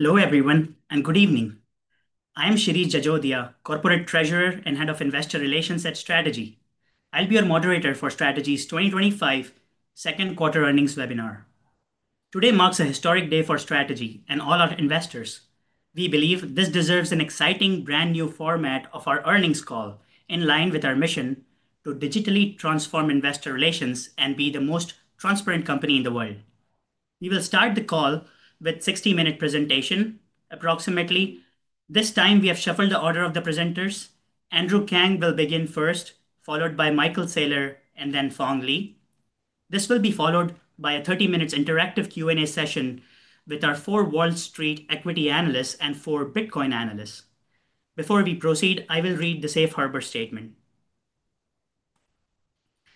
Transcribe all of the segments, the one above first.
Hello everyone and good evening. I am Shirish Jajodia, Corporate Treasurer and Head of Investor Relations at Strategy. I'll be your moderator for Strategy's 2025 second quarter earnings webinar. Today marks a historic day for Strategy and all our investors. We believe this deserves an exciting, brand new format of our earnings call in line with our mission to digitally transform investor relations and be the most transparent company in the world. We will start the call with a 60 minute presentation. Approximately this time we have shuffled the order of the presenters. Andrew Kang will begin first, followed by Michael Saylor and then Phong Le. This will be followed by a 30 minute interactive Q&A session with our four Wall Street equity analysts and four Bitcoin analysts. Before we proceed, I will read the Safe Harbor Statement.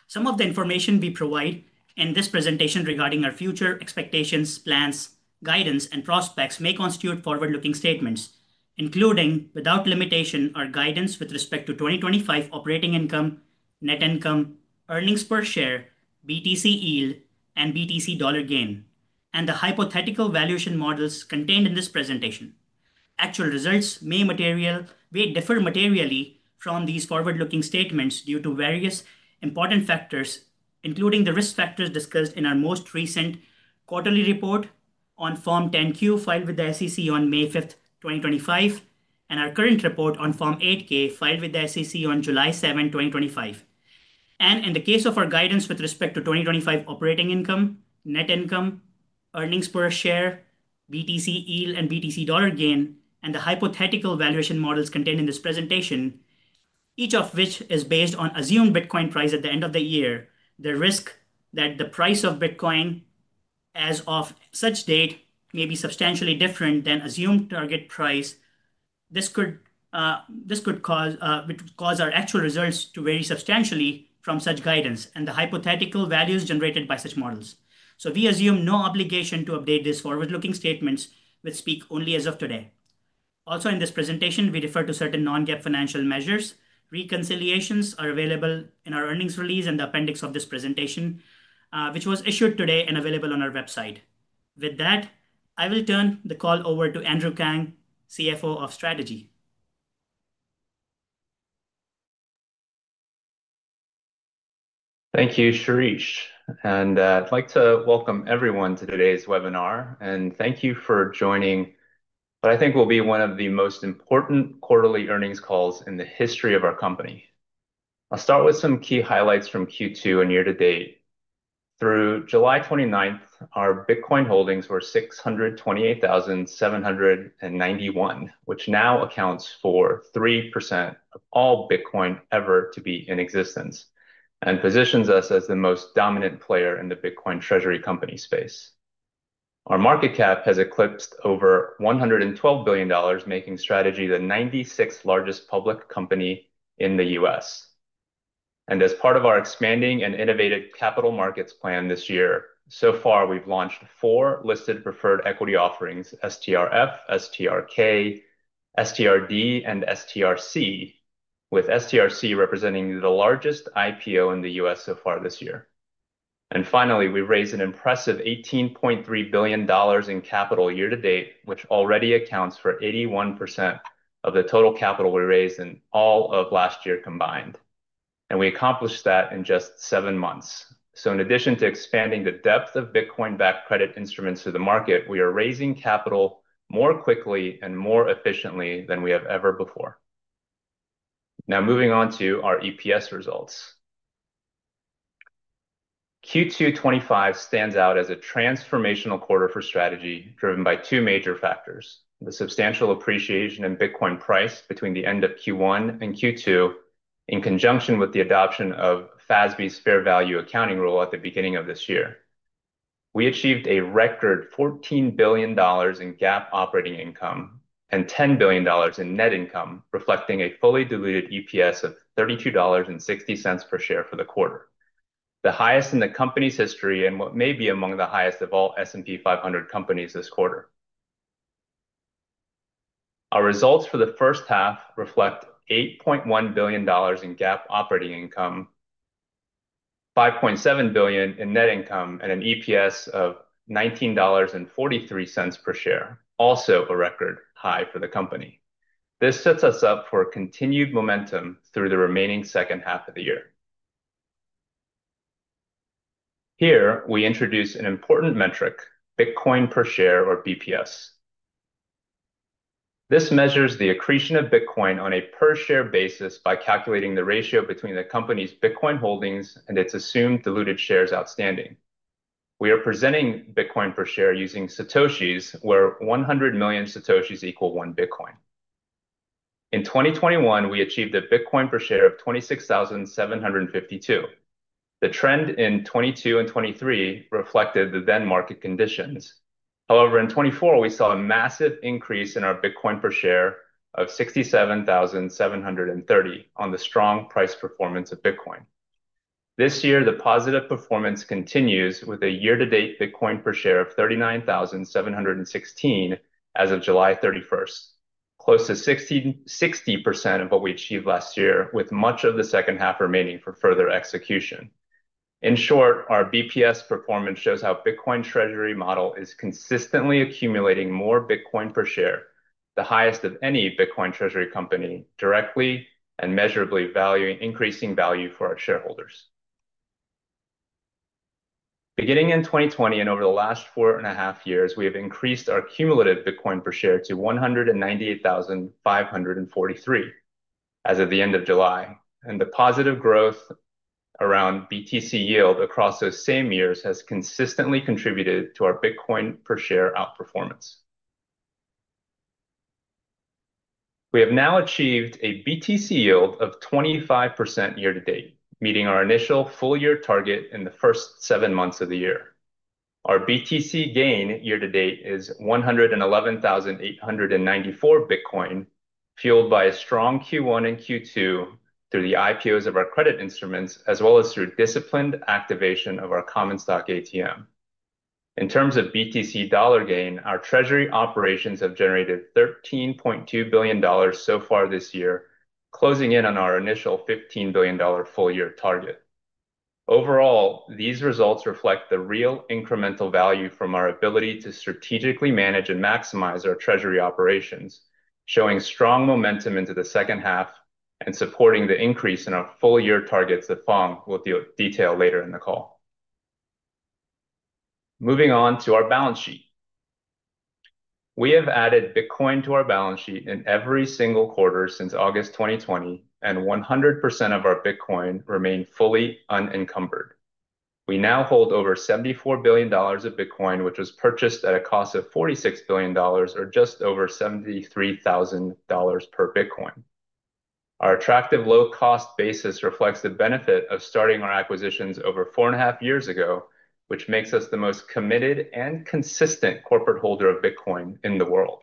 Some of the information we provide in this presentation regarding our future expectations, plans, guidance, and prospects may constitute forward looking statements including without limitation our guidance with respect to 2025 operating income, net income, earnings per share, BTC Yield, and BTC Dollar Gain and the hypothetical valuation models contained in this presentation. Actual results may differ materially from these forward looking statements due to various important factors including the risk factors discussed in our most recent quarterly report on Form 10-Q filed with the SEC on May 5, 2025 and our current report on Form 8-K filed with the SEC on July 7, 2025 and in the case of our guidance with respect to 2025 operating income, net income, earnings per share, BTC Yield, and BTC Dollar Gain and the hypothetical valuation models contained in this presentation, each of which is based on assumed Bitcoin price at the end of the year, the risk that the price of Bitcoin as of such date may be substantially different than assumed target price. This could cause our actual results to vary substantially from such guidance and the hypothetical values generated by such models. We assume no obligation to update these forward looking statements which speak only as of today. Also in this presentation we refer to certain non-GAAP financial measures. Reconciliations are available in our earnings release and the appendix of this presentation which was issued today and available on our website. With that I will turn the call over to Andrew Kang, CFO of Strategy. Thank you, Shirish, and I'd like to welcome everyone to today's webinar and thank you for joining what I think will be one of the most important quarterly earnings calls in the history of our company. I'll start with some key highlights from Q2 and year to date. Through July 29th, our Bitcoin holdings were 628,791, which now accounts for 3% of all Bitcoin ever to be in existence and positions us as the most dominant player in the Bitcoin treasury company space. Our market cap has eclipsed over $112 billion, making Strategy the 96th largest public company in the U.S., and as part of our expanding and innovative capital markets plan this year, so far we've launched four listed preferred equity offerings, STRF, STRK, STRD, and STRC, with STRC representing the largest IPO in the U.S. so far this year. Finally, we raised an impressive $18.3 billion in capital year to date, which already accounts for 81% of the total capital we raised in all of last year combined, and we accomplished that in just seven months. In addition to expanding the depth of Bitcoin-backed credit instruments to the market, we are raising capital more quickly and more efficiently than we have ever before. Now, moving on to our EPS results, Q2 2025 stands out as a transformational quarter for Strategy driven by two major factors. The substantial appreciation in Bitcoin price between the end of Q1 and Q2 in conjunction with the adoption of FASB's fair value accounting rule. At the beginning of this year, we achieved a record $14 billion in GAAP operating income and $10 billion in net income, reflecting a fully diluted EPS of $32.60 per share for the quarter, the highest in the company's history and what may be among the highest of all S&P 500 companies this quarter. Our results for the first half reflect $8.1 billion in GAAP operating income, $5.7 billion in net income, and an EPS of $19.43 per share, also a record high for the company. This sets us up for continued momentum through the remaining second half of the year. Here we introduce an important metric, Bitcoin Per Share, or BPS. This measures the accretion of Bitcoin on a per share basis by calculating the ratio between the company's Bitcoin holdings and its assumed diluted shares outstanding. We are presenting Bitcoin Per Share using satoshis, where 100 million satoshis equal 1 Bitcoin. In 2021, we achieved a Bitcoin Per Share of 26,752. The trend in 2022 and 2023 reflected the then market conditions. However, in 2024 we saw a massive increase in our Bitcoin Per Share of 67,730 on the strong price performance of Bitcoin this year. The positive performance continues with a year to date Bitcoin Per Share of 39,716 as of July 31, close to 60% of what we achieved last year with much of the second half remaining for further execution. In short, our BPS performance shows how our Bitcoin treasury model is consistently accumulating more Bitcoin Per Share, the highest of any Bitcoin treasury company, directly and measurably increasing value for our shareholders. Beginning in 2020 and over the last four and a half years, we have increased our cumulative Bitcoin Per Share to 198,543 as of the end of July, and the positive growth around BTC yield across those same years has consistently contributed to our Bitcoin Per Share outperformance. We have now achieved a BTC yield of 25% year to date, meeting our initial full year target in the first seven months of the year. Our BTC gain year to date is 111,894 Bitcoin, fueled by a strong Q1 and Q2 through the IPOs of our credit instruments as well as through disciplined activation of our common stock atmosphere. In terms of BTC Dollar Gain, our treasury operations have generated $13.2 billion so far this year, closing in on our initial $15 billion full year target. Overall, these results reflect the real incremental value from our ability to strategically manage and maximize our treasury operations, showing strong momentum into the second half and supporting the increase in our full year targets that Phong will detail later in the call. Moving on to our balance sheet, we have added Bitcoin to our balance sheet in every single quarter since August 2020, and 100% of our Bitcoin remain fully unencumbered. We now hold over $74 billion of Bitcoin, which was purchased at a cost of $46 billion or just over $73,000 per Bitcoin. Our attractive low cost basis reflects the benefit of starting our acquisitions over four and a half years ago, which makes us the most committed and consistent corporate holder of Bitcoin in the world.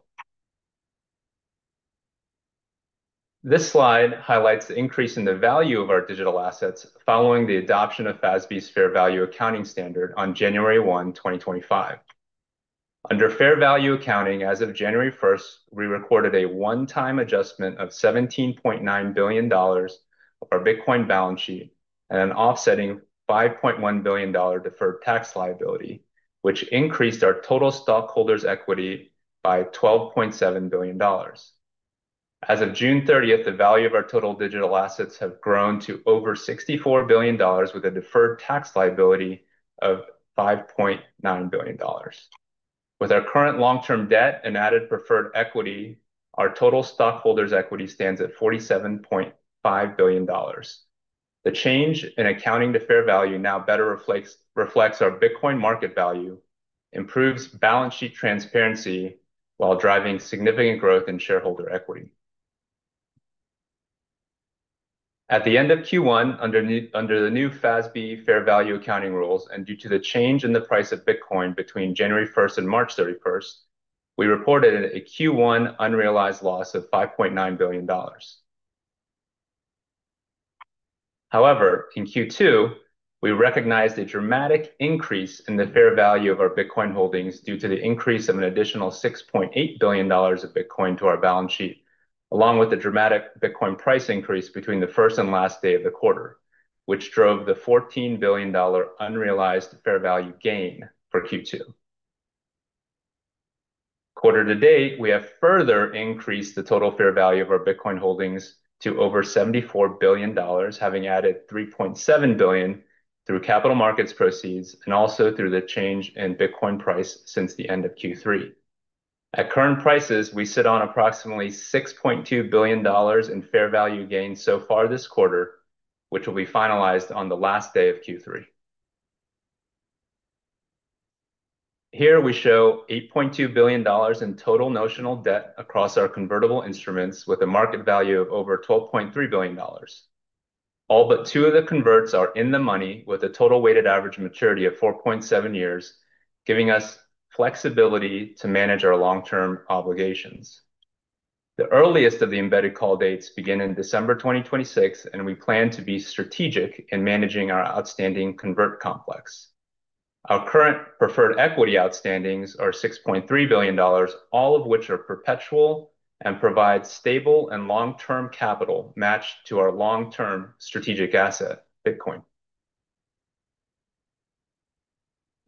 This slide highlights the increase in the value of our digital assets following the adoption of FASB's Fair Value Accounting Standard on January 1, 2025. Under Fair Value Accounting, as of January 1 we recorded a one time adjustment of $17.9 billion of our Bitcoin balance sheet and an offsetting $5.1 billion deferred tax liability, which increased our total stockholders' equity by $12.7 billion. As of June 30, the value of our total digital assets have grown to over $64 billion with a deferred tax liability of $5.9 billion. With our current long term debt and added preferred equity, our total stockholders' equity stands at $47.5 billion. The change in accounting to fair value now better reflects our Bitcoin market value, improves balance sheet transparency, while driving significant growth in shareholder equity. At the end of Q1, under the new FASB fair value accounting rules and due to the change in the price of Bitcoin between January 1 and March 31, we reported a Q1 unrealized loss of $5.9 billion. However, in Q2 we recognized a dramatic increase in the fair value of our Bitcoin holdings due to the increase of an additional $6.8 billion of Bitcoin to our balance sheet along with the dramatic Bitcoin price increase between the first and last day of the quarter, which drove the $14 billion unrealized fair value gain for Q2. Quarter to date, we have further increased the total fair value of our Bitcoin holdings to over $74 billion, having added $3.7 billion through capital markets proceeds and also through the change in Bitcoin price since the end of Q3. At current prices, we sit on approximately $6.2 billion in fair value gains so far this quarter, which will be finalized on the last day of Q3. Here we show $8.2 billion in total notional debt across our convertible instruments with a market value of over $12.3 billion. All but two of the converts are in the money with a total weighted average maturity of 4.7 years, giving us flexibility to manage our long term obligations. The earliest of the embedded call dates begin in December 2026, and we plan to be strategic in managing our outstanding convert complex. Our current preferred equity outstandings are $6.3 billion, all of which are perpetual and provide stable and long term capital matched to our long term strategic asset, Bitcoin.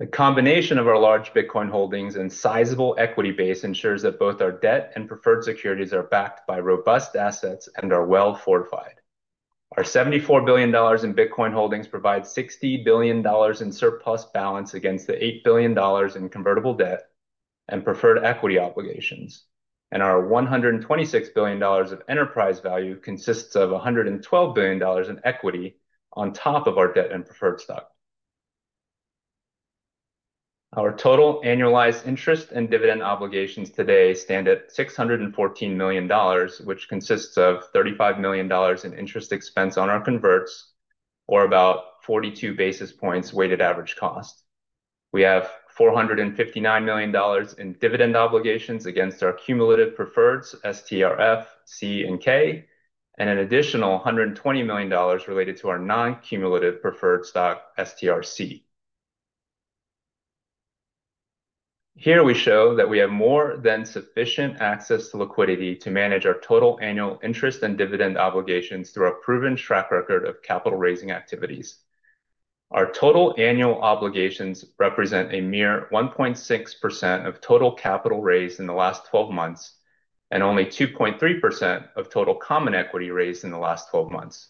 The combination of our large Bitcoin holdings and sizable equity base ensures that both our debt and preferred securities are backed by robust assets and are well fortified. Our $74 billion in Bitcoin holdings provide $60 billion in surplus balance against the $8 billion in convertible debt and preferred equity obligations, and our $126 billion of enterprise value consists of $112 billion in equity on top of our debt and preferred stock. Our total annualized interest and dividend obligations today stand at $614 million, which consists of $35 million in interest expense on our converts or about 42 basis points weighted average cost. We have $459 million in dividend obligations against our cumulative preferreds STRF, STRC, and STRK and an additional $120 million related to our non-cumulative preferred stock STRC. Here we show that we have more than sufficient access to liquidity to manage our total annual interest and dividend obligations through a proven track record of capital raising activities. Our total annual obligations represent a mere 1.6% of total capital raised in the last 12 months and only 2.3% of total common equity raised in the last 12 months.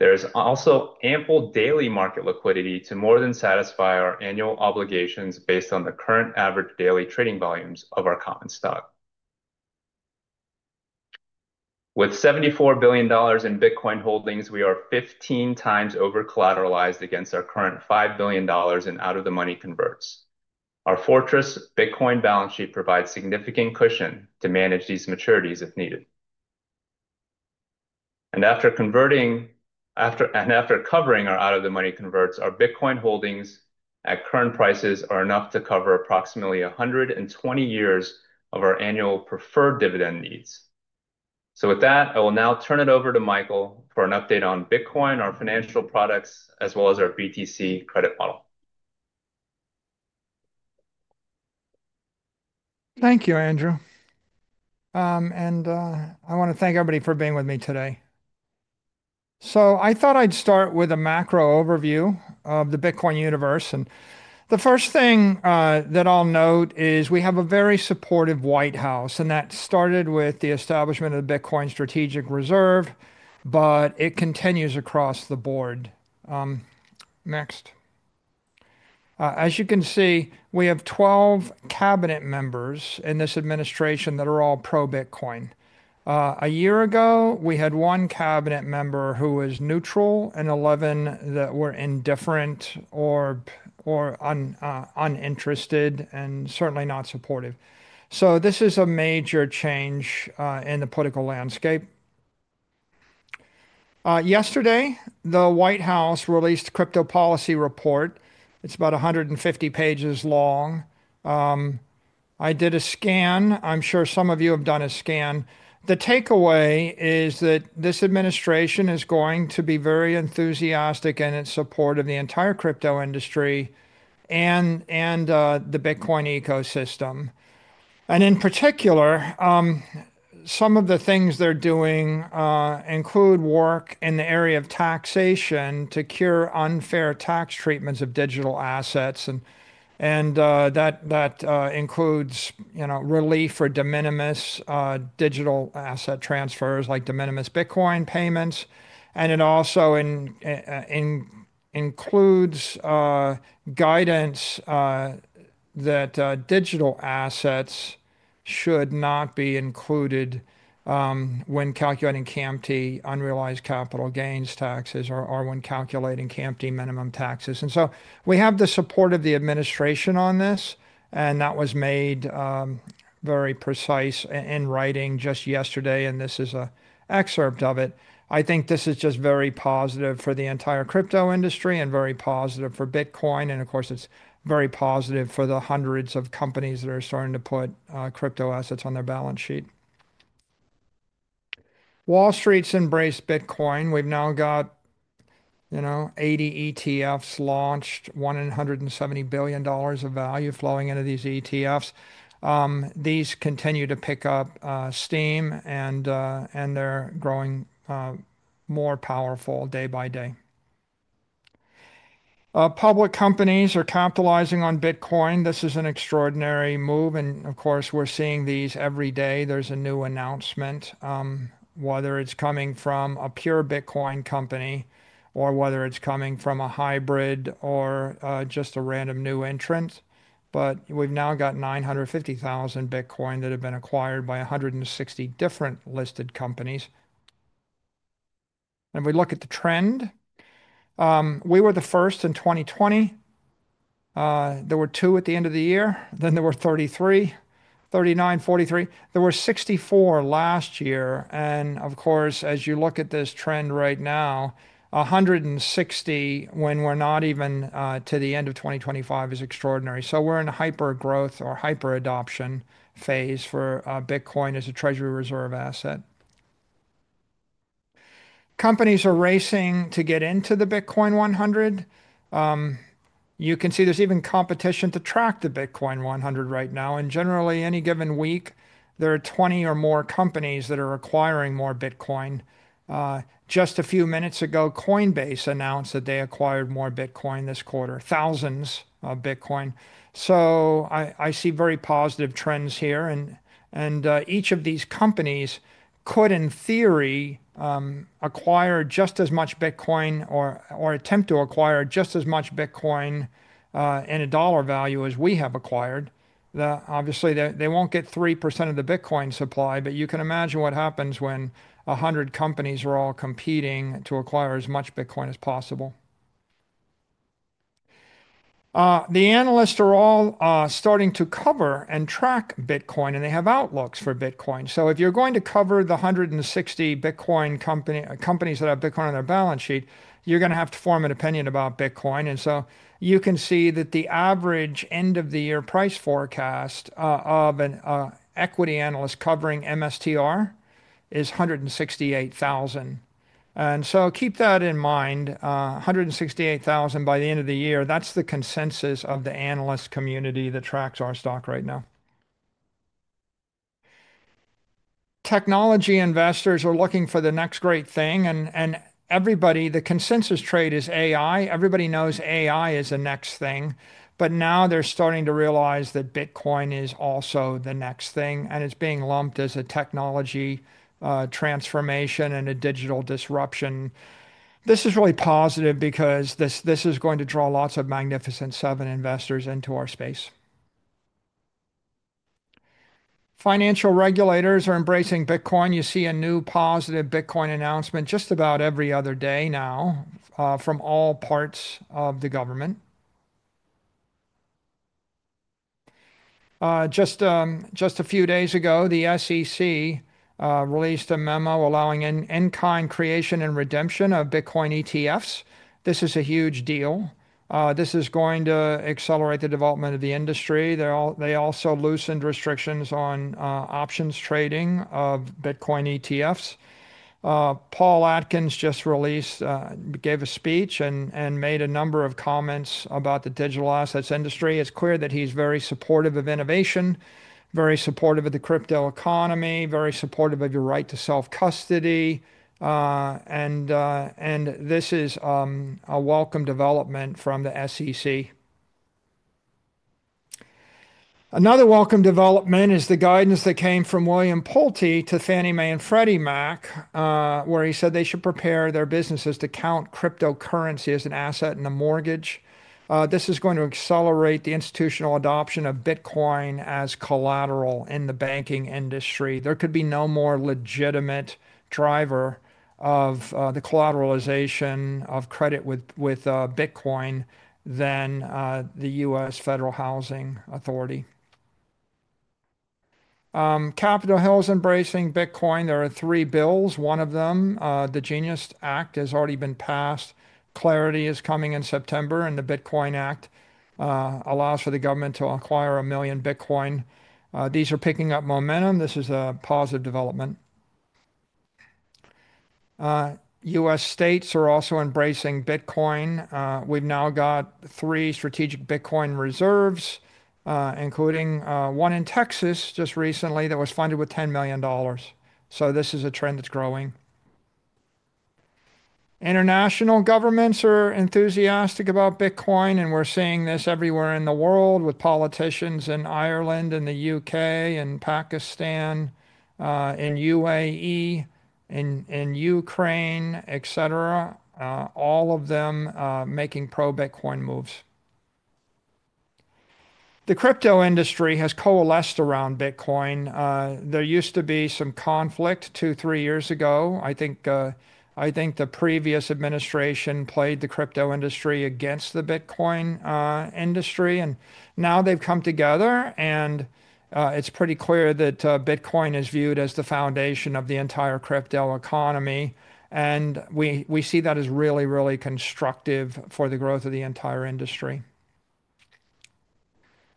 There is also ample daily market liquidity to more than satisfy our annual obligations based on the current average daily trading volumes of our common stock. With $7.4 billion in Bitcoin holdings, we are 15 times over-collateralized against our current $500 million in out-of-the-money converts. Our fortress Bitcoin balance sheet provides significant cushion to manage these maturities if needed. After covering our out-of-the-money converts, our Bitcoin holdings at current prices are enough to cover approximately 120 years of our annual preferred dividend needs. I will now turn it over to Michael for an update on Bitcoin, our financial products as well as our BTC credit model. Thank you, Andrew. I want to thank everybody for being with me today. I thought I'd start with a macro overview of the Bitcoin universe. The first thing that I'll note is we have a very supportive White House. That started with the establishment of the Bitcoin Strategic Reserve, but it continues across the board. Next, as you can see, we have 12 cabinet members in this administration that are all pro-Bitcoin. A year ago, we had one cabinet member who was neutral and 11 that were indifferent or uninterested and certainly not supportive. This is a major change in the political landscape. Yesterday, the White House released a Crypto Policy report. It's about 150 pages long. I did a scan. I'm sure some of you have done a scan. The takeaway is that this administration is going to be very enthusiastic in its support of the entire crypto industry and the Bitcoin ecosystem in particular. Some of the things they're doing include work in the area of taxation to cure unfair tax treatments of digital assets. That includes relief for de minimis digital asset transfers like de minimis Bitcoin payments. It also includes guidance that digital assets should not be included when calculating CAMT unrealized capital gains taxes or when calculating CAMT minimum taxes. We have the support of the administration on this. That was made very precise in writing just yesterday. This is an excerpt of it. I think this is just very positive for the entire crypto industry and very positive for Bitcoin. Of course, it's very positive for the hundreds of companies that are starting to put crypto assets on their balance sheet. Wall Street's embraced Bitcoin. We've now got 80 ETFs launched, $170 billion of value flowing into these ETFs. These continue to pick up steam, and they're growing more powerful day by day. Public companies are capitalizing on Bitcoin. This is an extraordinary move. We're seeing these every day. There's a new announcement, whether it's coming from a pure Bitcoin company or whether it's coming from a hybrid or just a random new entrant. We've now got 950,000 Bitcoin that have been acquired by 160 different listed companies. We look at the trend. We were the first in 2020, there were two at the end of the year, then there were 33, 39, 43. There were 64 last year. As you look at this trend right now, 160, when we're not even to the end of 2025, is extraordinary. We're in hyper growth or hyper adoption phase for Bitcoin as a treasury reserve asset. Companies are racing to get into the Bitcoin 100. You can see there's even competition to track the Bitcoin 100 right now. Generally, any given week, there are 20 or more companies that are acquiring more Bitcoin. Just a few minutes ago, Coinbase announced that they acquired more Bitcoin this quarter, thousands of Bitcoin. I see very positive trends here. Each of these companies could, in theory, acquire just as much Bitcoin or attempt to acquire just as much Bitcoin in a dollar value as we have acquired. Obviously, they won't get 3% of the Bitcoin supply, but you can imagine what happens when 100 companies are all competing to acquire as much Bitcoin as possible. The analysts are all starting to cover and track Bitcoin and they have outlooks for Bitcoin. If you're going to cover the 160 Bitcoin companies that have Bitcoin on their balance sheet, you're going to have to form an opinion about Bitcoin. You can see that the average end of the year price forecast of an equity analyst covering MSTR is $168,000. Keep that in mind. $168,000 by the end of the year. That's the consensus of the analyst community that tracks our stock right now. Technology investors are looking for the next great thing and everybody, the consensus trade is AI. Everybody knows AI is the next thing. Now they're starting to realize that Bitcoin is also the next thing and it's being lumped as a technology transformation and a digital disruption. This is really positive because this is going to draw lots of Magnificent Seven investors into our space. Financial regulators are embracing Bitcoin. You see a new positive Bitcoin announcement just about every other day now from all parts of the government. Just a few days ago, the SEC released a memo allowing in-kind creation and redemption of Bitcoin ETFs. This is a huge deal. This is going to accelerate the development of the industry. They also loosened restrictions on options trading of Bitcoin ETFs. Paul Atkins just gave a speech and made a number of comments about the digital assets industry. It's clear that he's very supportive of innovation, very supportive of the crypto economy, very supportive of your right to self-custody. This is a welcome development from the SEC. Another welcome development is the guidance that came from William Pulte to Fannie Mae and Freddie Mac where he said they should prepare their businesses to count cryptocurrency as an asset and a mortgage. This is going to accelerate the institutional adoption of Bitcoin as collateral in the banking industry. There could be no more legitimate driver of the collateralization of credit with Bitcoin than the U.S. Federal Housing Finance Agency, Capitol Hill embracing Bitcoin. There are three bills. One of them, the GENIUS Act, has already been passed. Clarity is coming in September and the Bitcoin Act allows for the government to acquire a million Bitcoin. These are picking up momentum. This is a positive development. US states are also embracing Bitcoin. We've now got three strategic Bitcoin reserves, including one in Texas just recently that was funded with $10 million. This is a trend that's growing. International governments are enthusiastic about Bitcoin and we're seeing this everywhere in the world with politicians in Ireland and the UK and Pakistan, in UAE, in Ukraine, etc., all of them making pro-Bitcoin moves. The crypto industry has coalesced around Bitcoin. There used to be some conflict two, three years ago. I think the previous administration played the crypto industry against the Bitcoin industry. Now they've come together and it's pretty clear that Bitcoin is viewed as the foundation of the entire crypto economy. We see that as really, really constructive for the growth of the entire industry.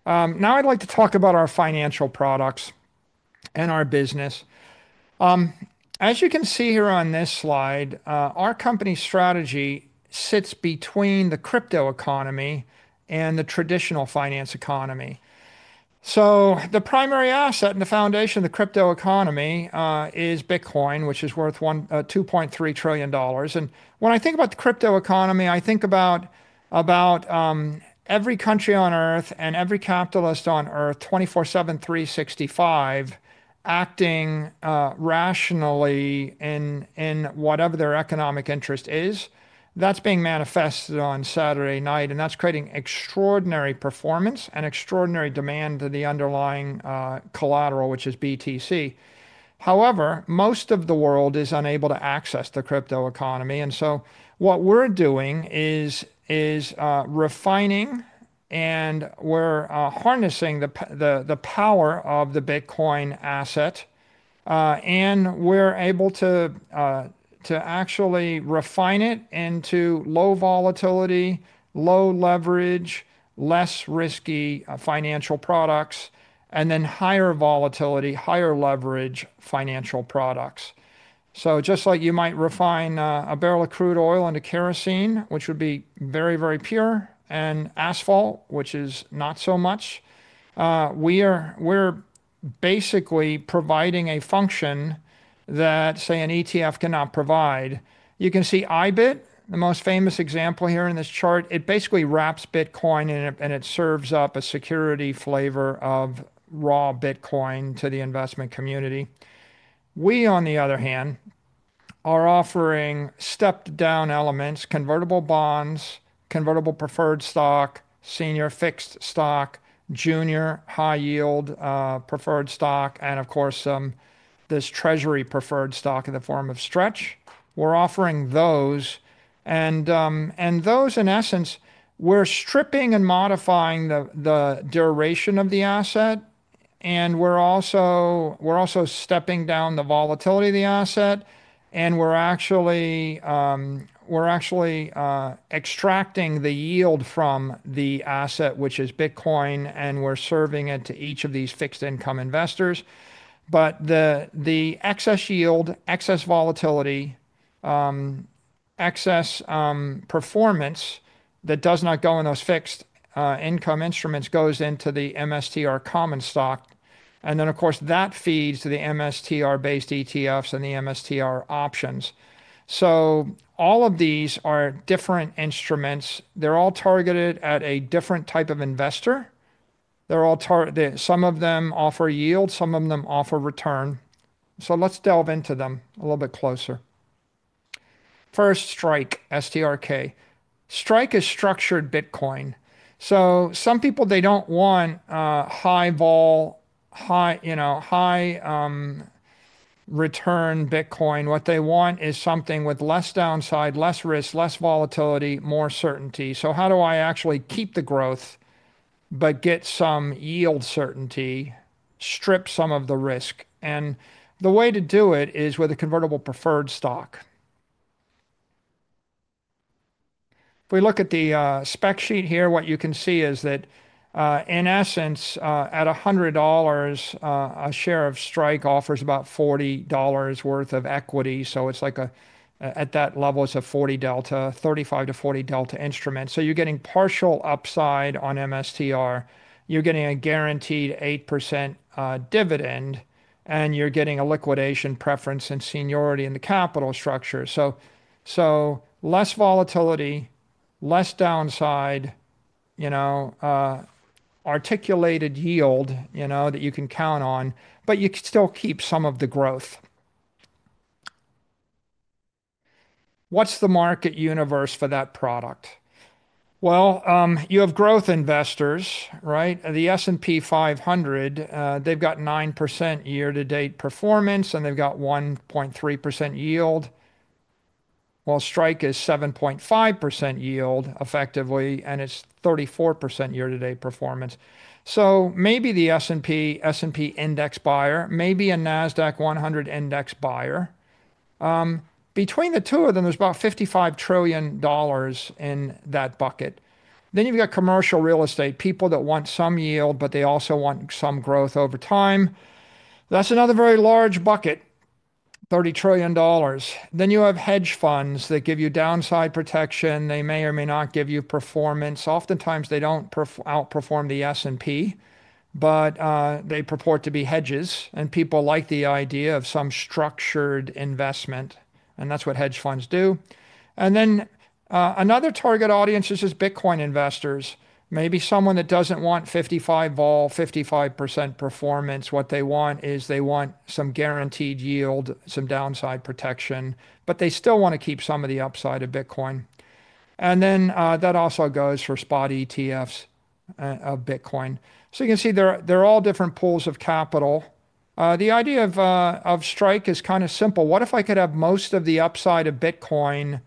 Now I'd like to talk about our financial products and our business. As you can see here on this slide, our company Strategy sits between the crypto economy and the traditional finance economy. The primary asset and the foundation of the crypto economy is Bitcoin, which is worth $2.3 trillion. When I think about the crypto economy, I think about every country on earth and every capitalist on Earth, 24/7/365, acting rationally in whatever their economic interest is. That's being manifested on Saturday night and that's creating extraordinary performance and extraordinary demand to the underlying collateral, which is BTC. However, most of the world is unable to access the crypto economy. What we're doing is refining and we're harnessing the power of the Bitcoin asset and we're able to actually refine it into low volatility, low leverage, less risky financial products, and then higher volatility, higher leverage financial products. Just like you might refine a barrel of crude oil into kerosene, which would be very, very pure, and asphalt, which is not so much, we're basically providing a function that, say, an ETF cannot provide. You can see IBIT, the most famous example here in this chart. It basically wraps Bitcoin and it serves up a security flavor of raw Bitcoin to the investment community. We, on the other hand, are offering stepped down elements: convertible bonds, convertible preferred stock, senior fixed stock, junior high yield preferred stock, and of course this treasury preferred stock in the form of STRC. We're offering those, and those, in essence, we're stripping and modifying the duration of the asset. We're also stepping down the volatility of the asset, and we're actually extracting the yield from the asset, which is Bitcoin, and we're serving it to each of these fixed income investors. The excess yield, excess volatility, excess performance that does not go in those fixed income instruments goes into the MSTR common stock. That feeds to the MSTR-based ETFs and the MSTR options. All of these are different instruments, they're all targeted at a different type of investor. Some of them offer yield, some of them offer return. Let's delve into them a little bit closer. First, STRK. STRK is structured Bitcoin. Some people don't want high volume, high return Bitcoin. What they want is something with less downside, less risk, less volatility, more certainty. How do I actually keep the growth but get some yield, certainty, strip some of the risk? The way to do it is with a convertible preferred stock. If we look at the spec sheet here, what you can see is that in essence at $100 a share, STRK offers about $40 worth of equity. At that level, it's a 40 delta, 35 to 40 delta instrument. You're getting partial upside on MSTR, you're getting a guaranteed 8% dividend, and you're getting a liquidation preference and seniority in the capital structure. So less volatility, less downside, articulated yield that you can count on, but you can still keep some of the growth. What's the market universe for that product? You have growth investors, right? The S&P 500, they've got 9% year to date performance and they've got 1.3% yield. STRK is 7.5% yield, effectively, and it's 34% year to date performance. Maybe the S&P, S&P index buyer, maybe a NASDAQ 100 index buyer. Between the two of them, there's about $55 trillion in that bucket. You have commercial real estate people that want some yield, but they also want some growth over time. That's another very large bucket, $30 trillion. You have hedge funds that give you downside protection. They may or may not give you performance. Oftentimes they don't outperform the S&P, but they purport to be hedges. People like the idea of some structured investment. That's what hedge funds do. Another target audience is just Bitcoin investors. Maybe someone that doesn't want 55 Vol. 55% performance. What they want is some guaranteed yield, some downside protection, but they still want to keep some of the upside of Bitcoin. That also goes for spot ETFs of Bitcoin. You can see they're all different pools of capital. The idea of STRK is kind of simple. What if I could have most of the upside of Bitcoin,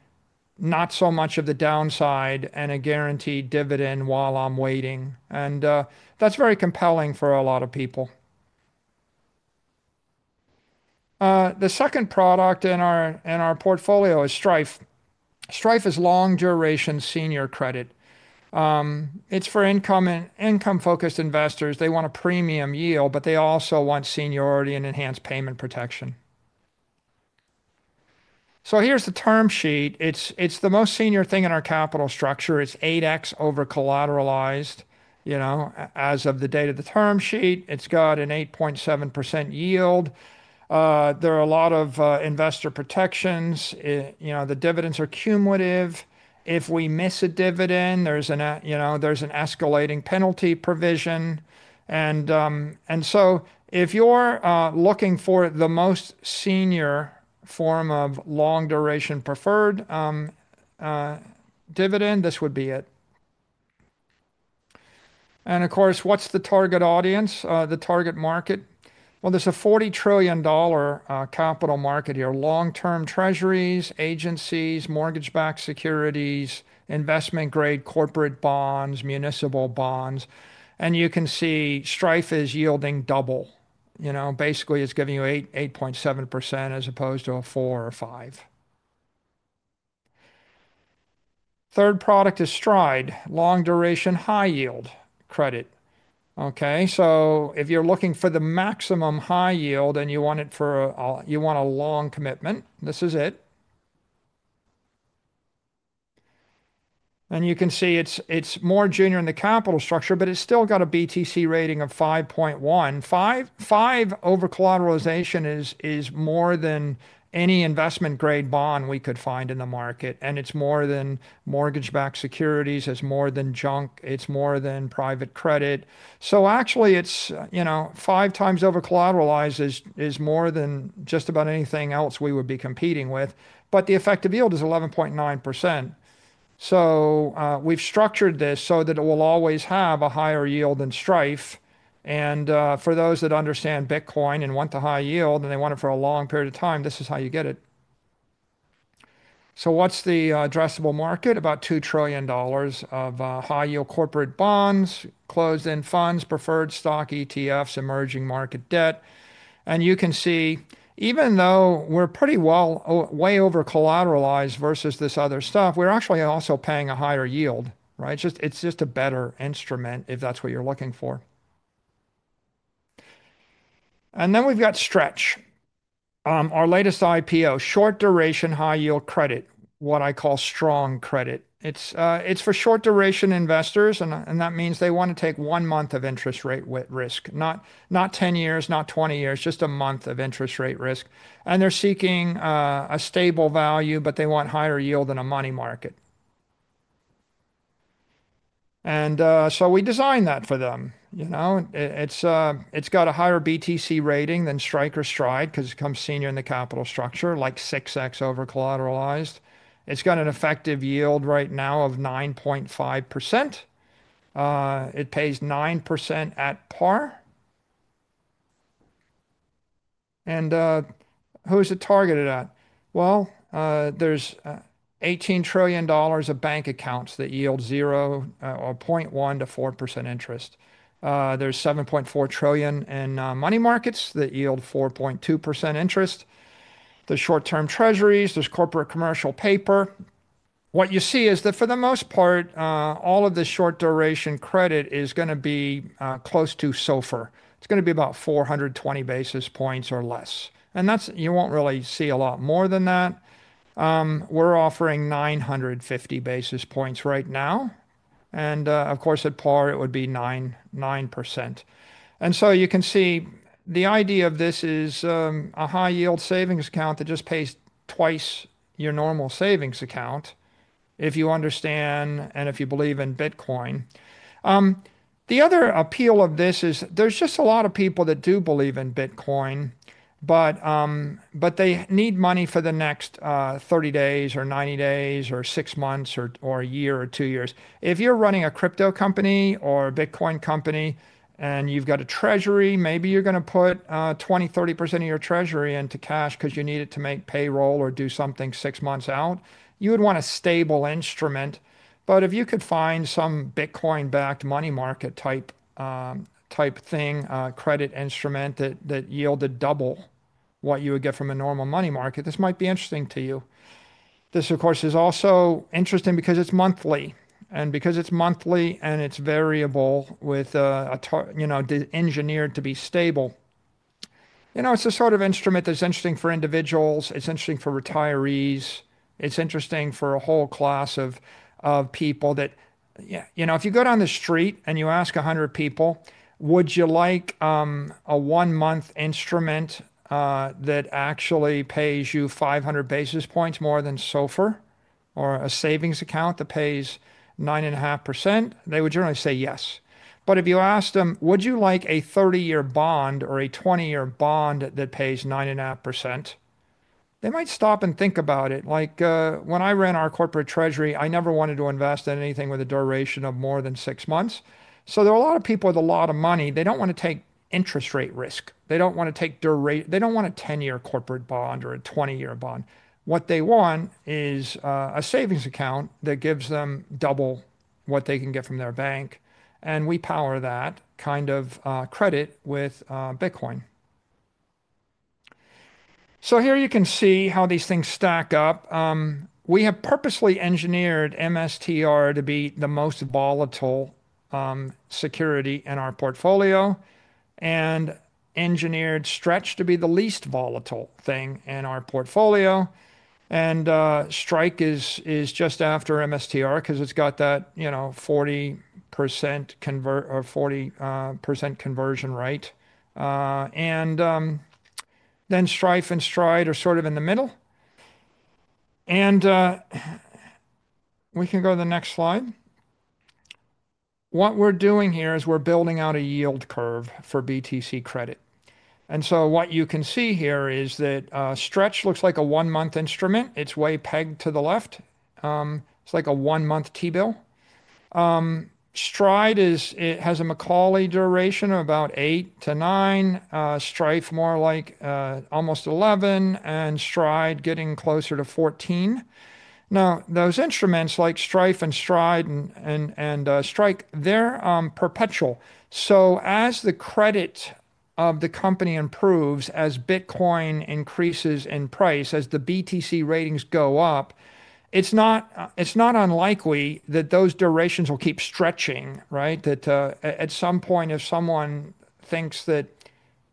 not so much of the downside, and a guaranteed dividend while I'm waiting? That's very compelling for a lot of people. The second product in our portfolio is STRF. STRF is long duration senior credit. It's for income and income focused investors. They want a premium yield, but they also want seniority and enhanced payment protection. Here's the term sheet. It's the most senior thing in our capital structure. It's 8x over-collateralized. As of the date of the term sheet, it's got an 8.7% yield. There are a lot of investor protections. The dividends are cumulative. If we miss a dividend, there's an escalating penalty provision. If you're looking for the most senior form of long duration preferred dividend, this would be it. Of course, what's the target audience, the target market? There's a $40 trillion capital market here. Long term Treasuries, agencies, mortgage-backed securities, investment grade corporate bonds, municipal bonds. You can see STRF is yielding double. Basically, it's giving you 8, 8.7% as opposed to a 4 or 5. Third product is STRD, long duration high yield credit. Okay, if you're looking for the maximum high yield and you want it for, you want a long commitment, this is it. You can see it's more junior in the capital structure, but it's still got a BTC Rating of 5.155 over-collateralization. It's more than any investment grade bond we could find in the market. It's more than mortgage-backed securities, it's more than junk, it's more than private credit. Actually, five times over-collateralized is more than just about anything else we would be competing with. The effective yield is 11.9%. We've structured this so that it will always have a higher yield than STRF. For those that understand Bitcoin and want the high yield and they want it for a long period of time, this is how you get it. What's the addressable market? About $2 trillion of high yield corporate bonds, closed-end funds, preferred stock, ETFs, emerging market debt. You can see even though we're way over-collateralized versus this other stuff, we're actually also paying a higher yield. It's just a better instrument if that's what you're looking for. We've got STRC, our latest IPO, short-duration high-yield credit, what I call strong credit. It's for short-duration investors. That means they want to take one month of interest rate risk, not 10 years, not 20 years, just a month of interest rate risk. They're seeking a stable value, but they want higher yield than a money market. We designed that for them. It's got a higher BTC Rating than STRK or STRD because it comes senior in the capital structure, like 6x over-collateralized. It's got an effective yield right now of 9.5%. It pays 9% at par. Who's it targeted at? There's $18 trillion of bank accounts that yield 0 or 0.1% to 4% interest. There's $7.4 trillion in money markets that yield 4.2% interest. The short-term Treasuries, there's corporate commercial paper. What you see is that for the most part, all of the short-duration credit is going to be close to SOFR. It's going to be about 420 basis points or less. You won't really see a lot more than that. We're offering 950 basis points right now and at par it would be 9%. You can see the idea of this is a high-yield savings account that just pays twice your normal savings account if you understand and if you believe in Bitcoin. The other appeal of this is there's just a lot of people that do believe in Bitcoin, but they need money for the next 30 days or 90 days or six months or a year or two years. If you're running a crypto company or Bitcoin company and you've got a treasury, maybe you're going to put 20%, 30% of your treasury into cash because you need it to make payroll or do something six months out, you would want a stable instrument. If you could find some Bitcoin-backed money market type thing, credit instrument that yielded double what you would get from a normal money market, this might be interesting to you. This of course is also interesting because it's monthly and because it's monthly and it's variable with, you know, engineered to be stable. It's the sort of instrument that's interesting for individuals, it's interesting for retirees. It's interesting for a whole class of people that, you know, if you go down the street and you ask 100 people, would you like a one month instrument that actually pays you 500 basis points more than SOFR or a savings account that pays 9.5%, they would generally say yes, but if you ask them, would you like a 30 year bond or a 20 year bond that pays 9.5%, they might stop and think about it. Like when I ran our corporate treasury, I never wanted to invest in anything with a duration of more than six months. There are a lot of people with a lot of money. They don't want to take interest rate risk, they don't want to take duration, they don't want a 10 year corporate bond or a 20 year bond. What they want is a savings account that gives them double what they can get from their bank. We power that kind of credit with Bitcoin. Here you can see how these things stack up. We have purposely engineered MSTR to be the most volatile security in our portfolio and engineered STRC to be the least volatile thing in our portfolio. STRK is just after MSTR because it's got that, you know, 40% convert or 40% conversion rate. Then STRF and STRD are sort of in the middle and we can go to the next slide. What we're doing here is we're building out a yield curve for BTC credit. What you can see here is that STRC looks like a one month instrument. It's way pegged to the left. It's like a one month T bill. STRD has a Macaulay duration of about 8 to 9, STRF more like almost 11 and STRK getting closer to 14. Now those instruments like STRF and STRD and STRK, they're perpetual. As the credit of the company improves, as Bitcoin increases in price, as the BTC Ratings go up, it's not unlikely that those durations will keep stretching. Right? At some point if someone thinks that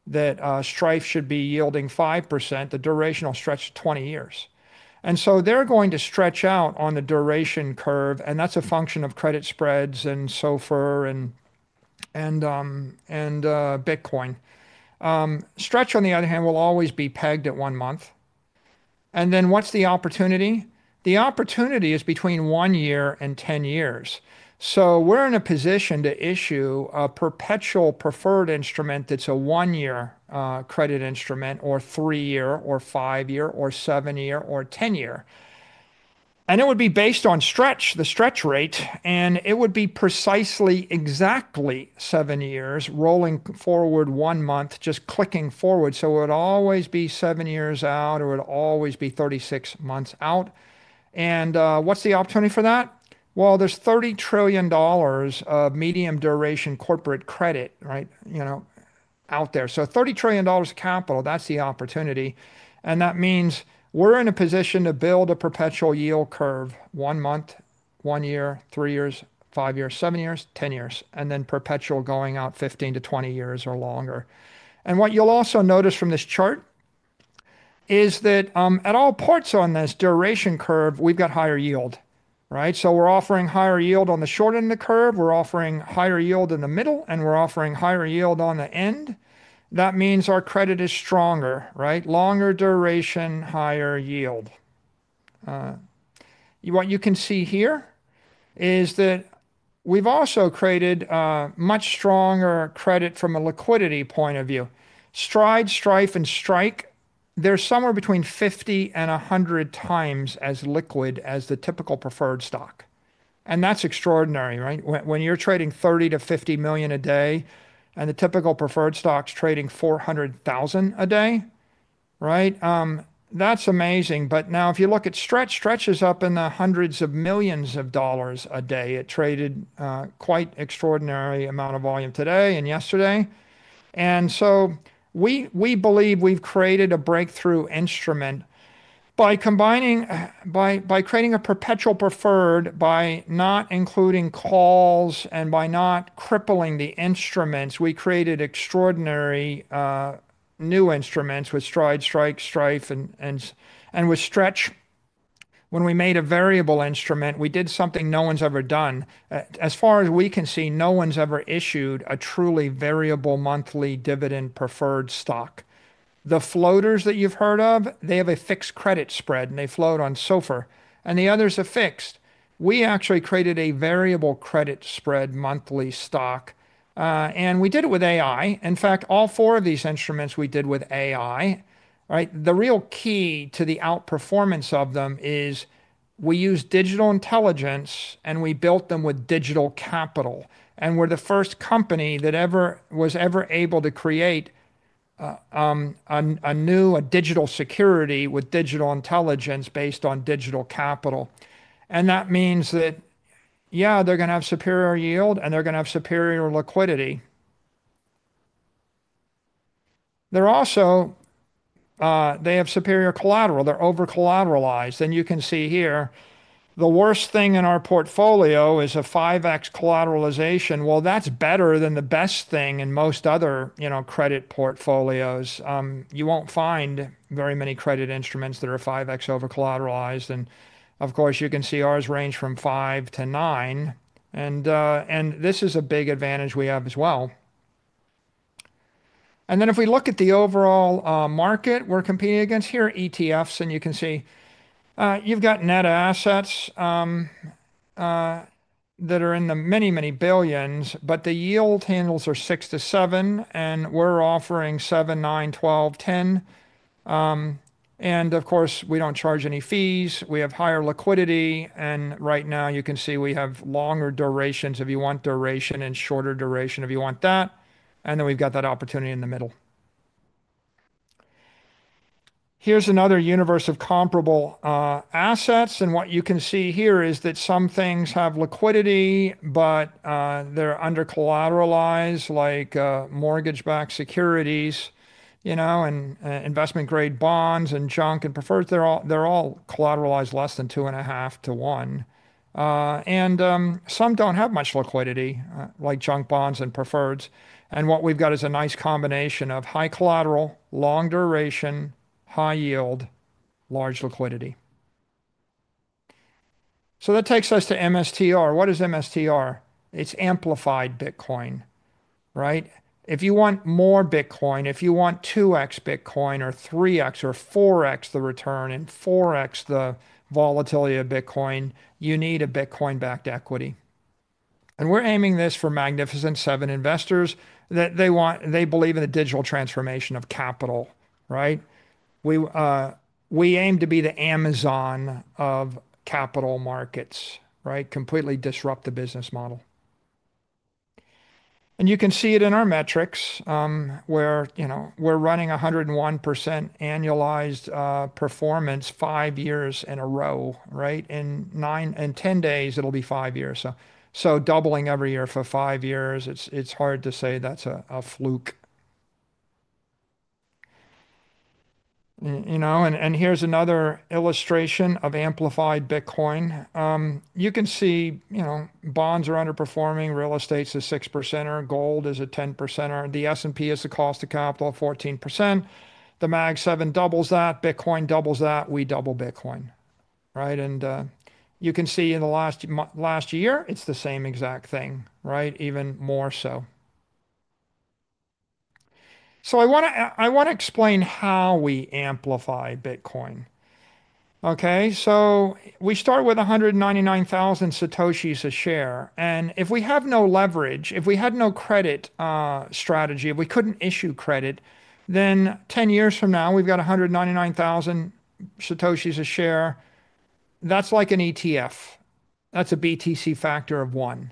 STRF should be yielding 5%, the duration will stretch 20 years. They're going to stretch out on the duration curve. That's a function of credit spreads. SOFR and STRF on the other hand will always be pegged at one month. What's the opportunity? The opportunity is between one year and 10 years. We're in a position to issue a perpetual preferred instrument that's a one year credit instrument or three year, or five year, or seven year or ten year. It would be based on STRF, the STRF rate, and it would be precisely exactly seven years rolling forward, one month just clicking forward. It would always be seven years out or would always be 36 months out. What's the opportunity for that? There's $30 trillion of medium duration corporate credit out there, so $30 trillion of capital, that's the opportunity. That means we're in a position to build a perpetual yield curve. One month, one year, three years, five years, seven years, ten years, and then perpetual going out 15 to 20 years or longer. What you'll also notice from this chart is that at all parts on this duration curve, we've got higher yield. We're offering higher yield on the short end of the curve, we're offering higher yield in the middle, and we're offering higher yield on the end. That means our credit is stronger. Longer duration, higher yield. What you can see here is that we've also created much stronger credit from a liquidity point of view. STRD, STRF and STRK, they're somewhere between 50 and 100 times as liquid as the typical preferred stock. That's extraordinary. When you're trading $30 million to $50 million a day and the typical preferred stock's trading $400,000 a day, that's amazing. If you look at STRF, STRF is up in the hundreds of millions of dollars a day, it traded quite extraordinary amount of volume today and yesterday. We believe we've created a breakthrough instrument by combining, by creating a perpetual preferred, by not including calls and by not crippling the instruments, we've created extraordinary new instruments with STRD, STRK, STRF and with STRF. When we made a variable instrument, we did something no one's ever done as far as we can see, no one's ever issued a truly variable monthly dividend preferred stock. The floaters that you've heard of, they have a fixed credit spread and they float on SOFR and the others are fixed. We actually created a variable credit spread monthly stock and we did it with AI. In fact, all four of these instruments we did with AI. The real key to the outperformance of them is we use digital intelligence and we built them with digital capital. We're the first company that was ever able to create a new digital security with digital intelligence based on digital capital. That means that, yeah, they're going to have superior yield and they're going to have superior liquidity. They're also, they have superior collateral, they're over-collateralized. You can see here the worst thing in our portfolio is a 5x collateralization. That's better than the best thing. In most other credit portfolios you won't find very many credit instruments that are 5x over-collateralized. You can see ours range from five to nine and this is a big advantage we have as well. If we look at the overall market we're competing against here, ETFs, you can see you've got net assets that are in the many, many billions. The yield handles are 6 to 7 and we're offering 7, 9, 12, 10. We don't charge any fees. We have higher liquidity and right now you can see we have longer durations if you want duration and shorter duration if you want that. We've got that opportunity in the middle. Here's another universe of comparable assets. What you can see here is that some things have liquidity but they're under-collateralized like mortgage-backed securities, you know, and investment grade bonds and junk and preferred. They're all collateralized less than 2.5 to 1. Some don't have much liquidity like junk bonds and preferreds. What we've got is a nice combination of high collateral, long duration, high yield, large liquidity. That takes us to MSTR. What is MSTR? It's amplified Bitcoin. Right? If you want more Bitcoin, if you want 2x Bitcoin or 3x or 4x the return and 4x the volatility of Bitcoin, you need a Bitcoin-backed equity. We're aiming this for Magnificent Seven investors that they want, they believe in the digital transformation of capital. Right? We aim to be the Amazon of capital markets. Right? Completely disrupt the business model. You can see it in our metrics where, you know, we're running 101% annualized performance five years in a row, right? In nine and 10 days it'll be five years. Doubling every year for five years, it's hard to say that's a fluke, you know. Here's another illustration of amplified Bitcoin. You can see, you know, bonds are underperforming. Real estate's a 6%er, gold is a 10%er. The S&P 500 is the cost of capital, 14%. The Mag 7 doubles that, Bitcoin doubles that. We double Bitcoin, right? You can see in the last year it's the same exact thing, right? Even more so. I want to explain how we amplify Bitcoin. We start with 199,000 satoshis a share. If we have no leverage, if we had no credit strategy, if we couldn't issue credit, then 10 years from now we've got 199,000 satoshis a share. That's like an ETF, that's a BTC Factor of one.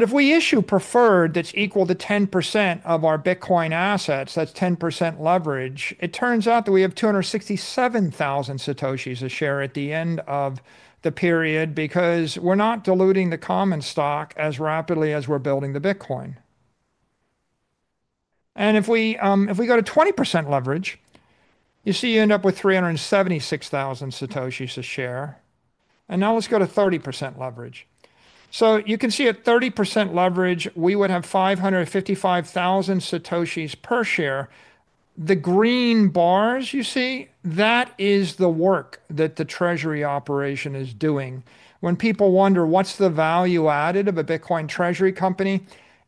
If we issue preferred, that's equal to 10% of our Bitcoin assets. That's 10% leverage. It turns out that we have 267,000 satoshis a share at the end of the period because we're not diluting the common stock as rapidly as we're building the Bitcoin. If we go to 20% leverage, you see you end up with 376,000 satoshis a share. Now let's go to 30% leverage. You can see at 30% leverage, we would have 555,000 satoshis per share. The green bars, you see, that is the work that the treasury operation is doing. When people wonder what's the value added of a Bitcoin treasury company,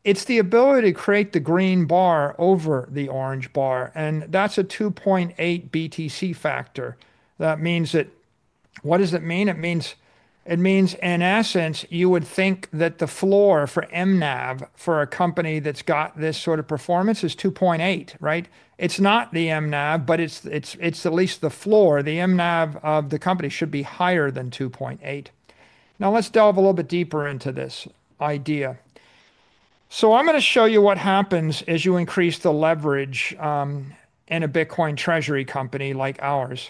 it's the ability to create the green bar over the orange bar. That's a 2.8 BTC Factor. What does it mean? It means, in essence, you would think that the floor for mNAV for a company that's got this sort of performance is 2.8, right? It's not the mNAV, but it's at least the floor, the mNAV of the company should be higher than 2.8. Now let's delve a little bit deeper into this idea. I'm going to show you what happens as you increase the leverage in a Bitcoin treasury company like ours.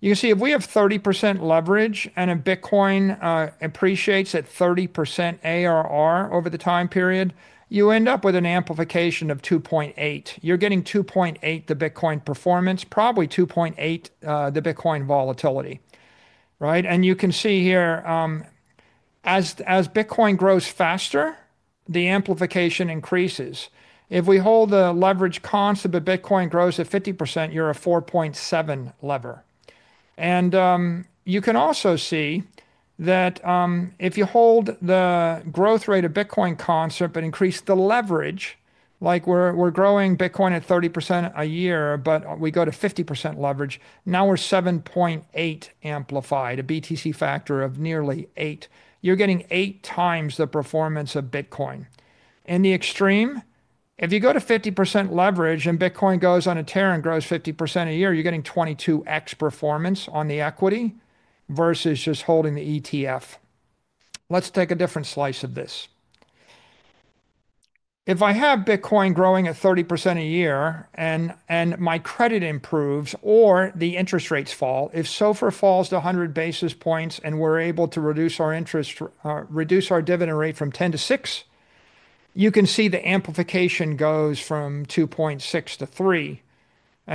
You see, if we have 30% leverage and Bitcoin appreciates at 30% ARR over the time period, you end up with an amplification of 2.8. You're getting 2.8 the Bitcoin performance, probably 2.8 the Bitcoin volatility, right? You can see here as Bitcoin grows faster, the amplification increases. If we hold the leverage constant, but Bitcoin grows at 50%, you're a 4.7 leverage. You can also see that if you hold the growth rate of Bitcoin constant, but increase the leverage, like we're growing Bitcoin at 30% a year, but we go to 50% leverage, now we're 7.8 amplified, a BTC Factor of nearly eight. You're getting eight times the performance of Bitcoin in the extreme. If you go to 50% leverage and Bitcoin goes on a tear and grows 50% a year, you're getting 22x performance on the equity versus just holding the ETF. Let's take a different slice of this. If I have Bitcoin growing at 30% a year and my credit improves or the interest rates fall, if SOFR falls to 100 basis points and we're able to reduce our interest, reduce our dividend rate from 10% to 6%, you can see the amplification goes from 2.6 to 3.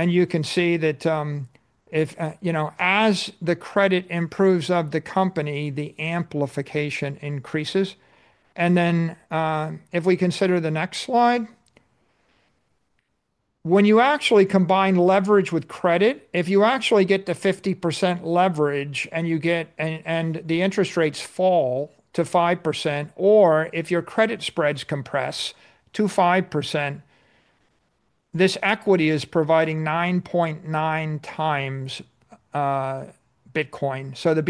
You can see that as the credit improves of the company, the amplification increases. If we consider the next slide, when you actually combine leverage with credit, if you actually get the 50% leverage and the interest rates fall to 5% or if your credit spreads compress to 5%, this equity is providing 9.9 times Bitcoin. The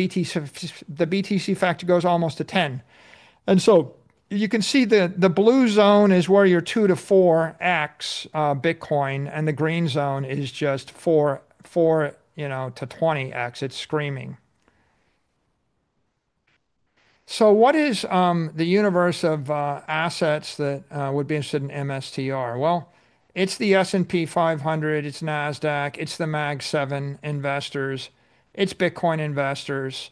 BTC Factor goes almost to 10. You can see the blue zone is where you're 2 to 4x Bitcoin and the green zone is just 4 to 20x. It's screaming. What is the universe of assets that would be interested in MSTR? It's the S&P 500, it's NASDAQ, it's the Mag 7 investors, it's Bitcoin investors.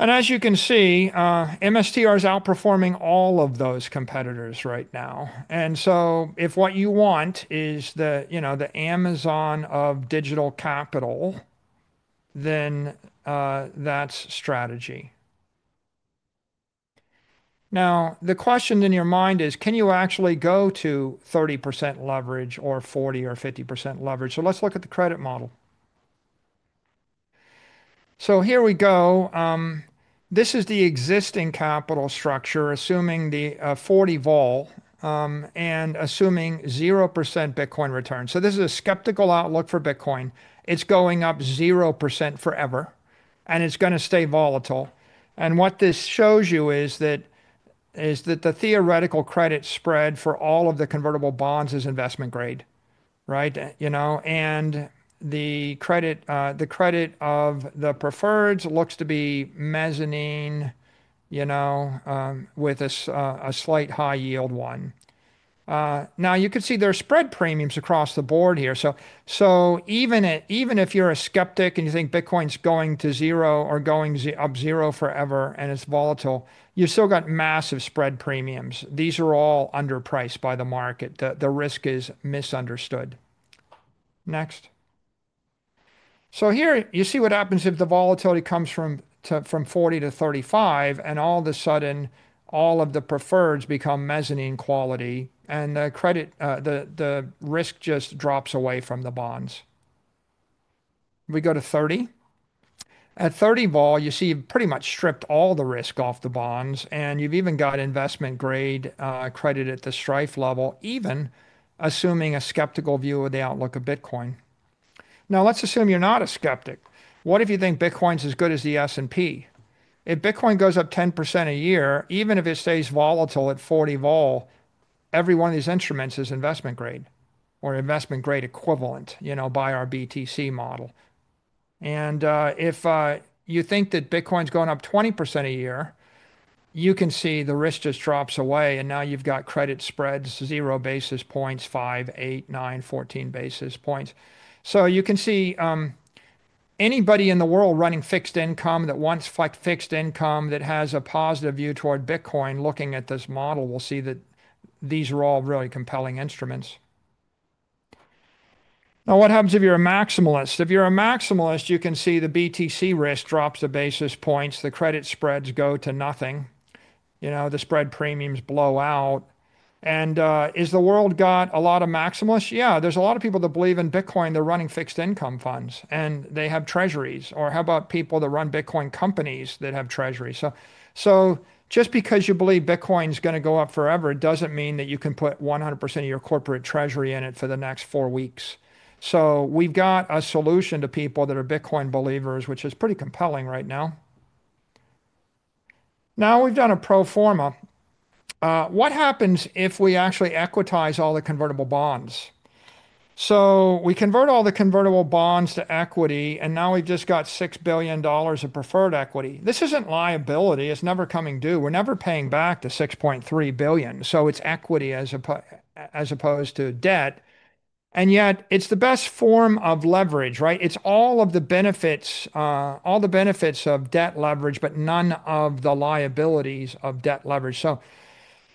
As you can see, MSTR is outperforming all of those competitors right now. If what you want is the Amazon of digital capital, then that's Strategy. Now the question in your mind is can you actually go to 30% leverage or 40% or 50% leverage? Let's look at the credit model. Here we go. This is the existing capital structure assuming the 40 Vol and assuming 0% Bitcoin return. This is a skeptical outlook for Bitcoin. It's going up 0% forever and it's going to stay volatile. What this shows you is that the theoretical credit spread for all of the convertible bonds is investment grade. The credit of the preferreds looks to be mezzanine, with a slight high yield. Now you can see there are spread premiums across the board here. Even if you're a skeptic and you think Bitcoin's going to zero or going up zero forever and it's volatile, you still got massive spread premiums. These are all underpriced by the market. The risk is misunderstood. Next. Here you see what happens if the volatility comes from 40 to 35 and all of a sudden all of the preferreds become mezzanine quality and credit, the risk just drops away from the bonds. We go to 30. At 30 vol, you see pretty much stripped all the risk off the bonds and you've even got investment grade credit at the STRK level, even assuming a skeptical view of the outlook of Bitcoin. Now let's assume you're not a skeptic. What if you think Bitcoin's as good as the S&P 500? If Bitcoin goes up 10% a year, even if it stays volatile at 40 vol, every one of these instruments is investment grade or investment grade equivalent, you know, by our BTC model. If you think that Bitcoin's going up 20% a year, you can see the risk just drops away. Now you've got credit spreads, 0 basis points, 5, 8, 9, 14 basis points. You can see anybody in the world running fixed income that wants fixed income, that has a positive view toward Bitcoin, looking at this model will see that these are all really compelling instruments. What happens if you're a maximalist? If you're a maximalist, you can see the BTC risk drops to a basis points, the credit spreads go to nothing, the spread premiums blow out. Is the world got a lot of maximalists? Yeah, there's a lot of people that believe in Bitcoin, they're running fixed income funds and they have Treasuries. Or how about people that run Bitcoin companies that have Treasury? Just because you believe Bitcoin is going to go up forever doesn't mean that you can put 100% of your corporate treasury in it for the next four weeks. We've got a solution to people that are Bitcoin believers, which is pretty compelling right now. We've done a pro forma. What happens if we actually equitize all the convertible bonds? We convert all the convertible bonds to equity and now we've just got $6 billion of preferred equity. This isn't liability, it's never coming due. We're never paying $6.3 billion. It's equity as opposed to debt, and yet it's the best form of leverage, right? It's all of the benefits, all the benefits of debt leverage, but none of the liabilities of debt leverage.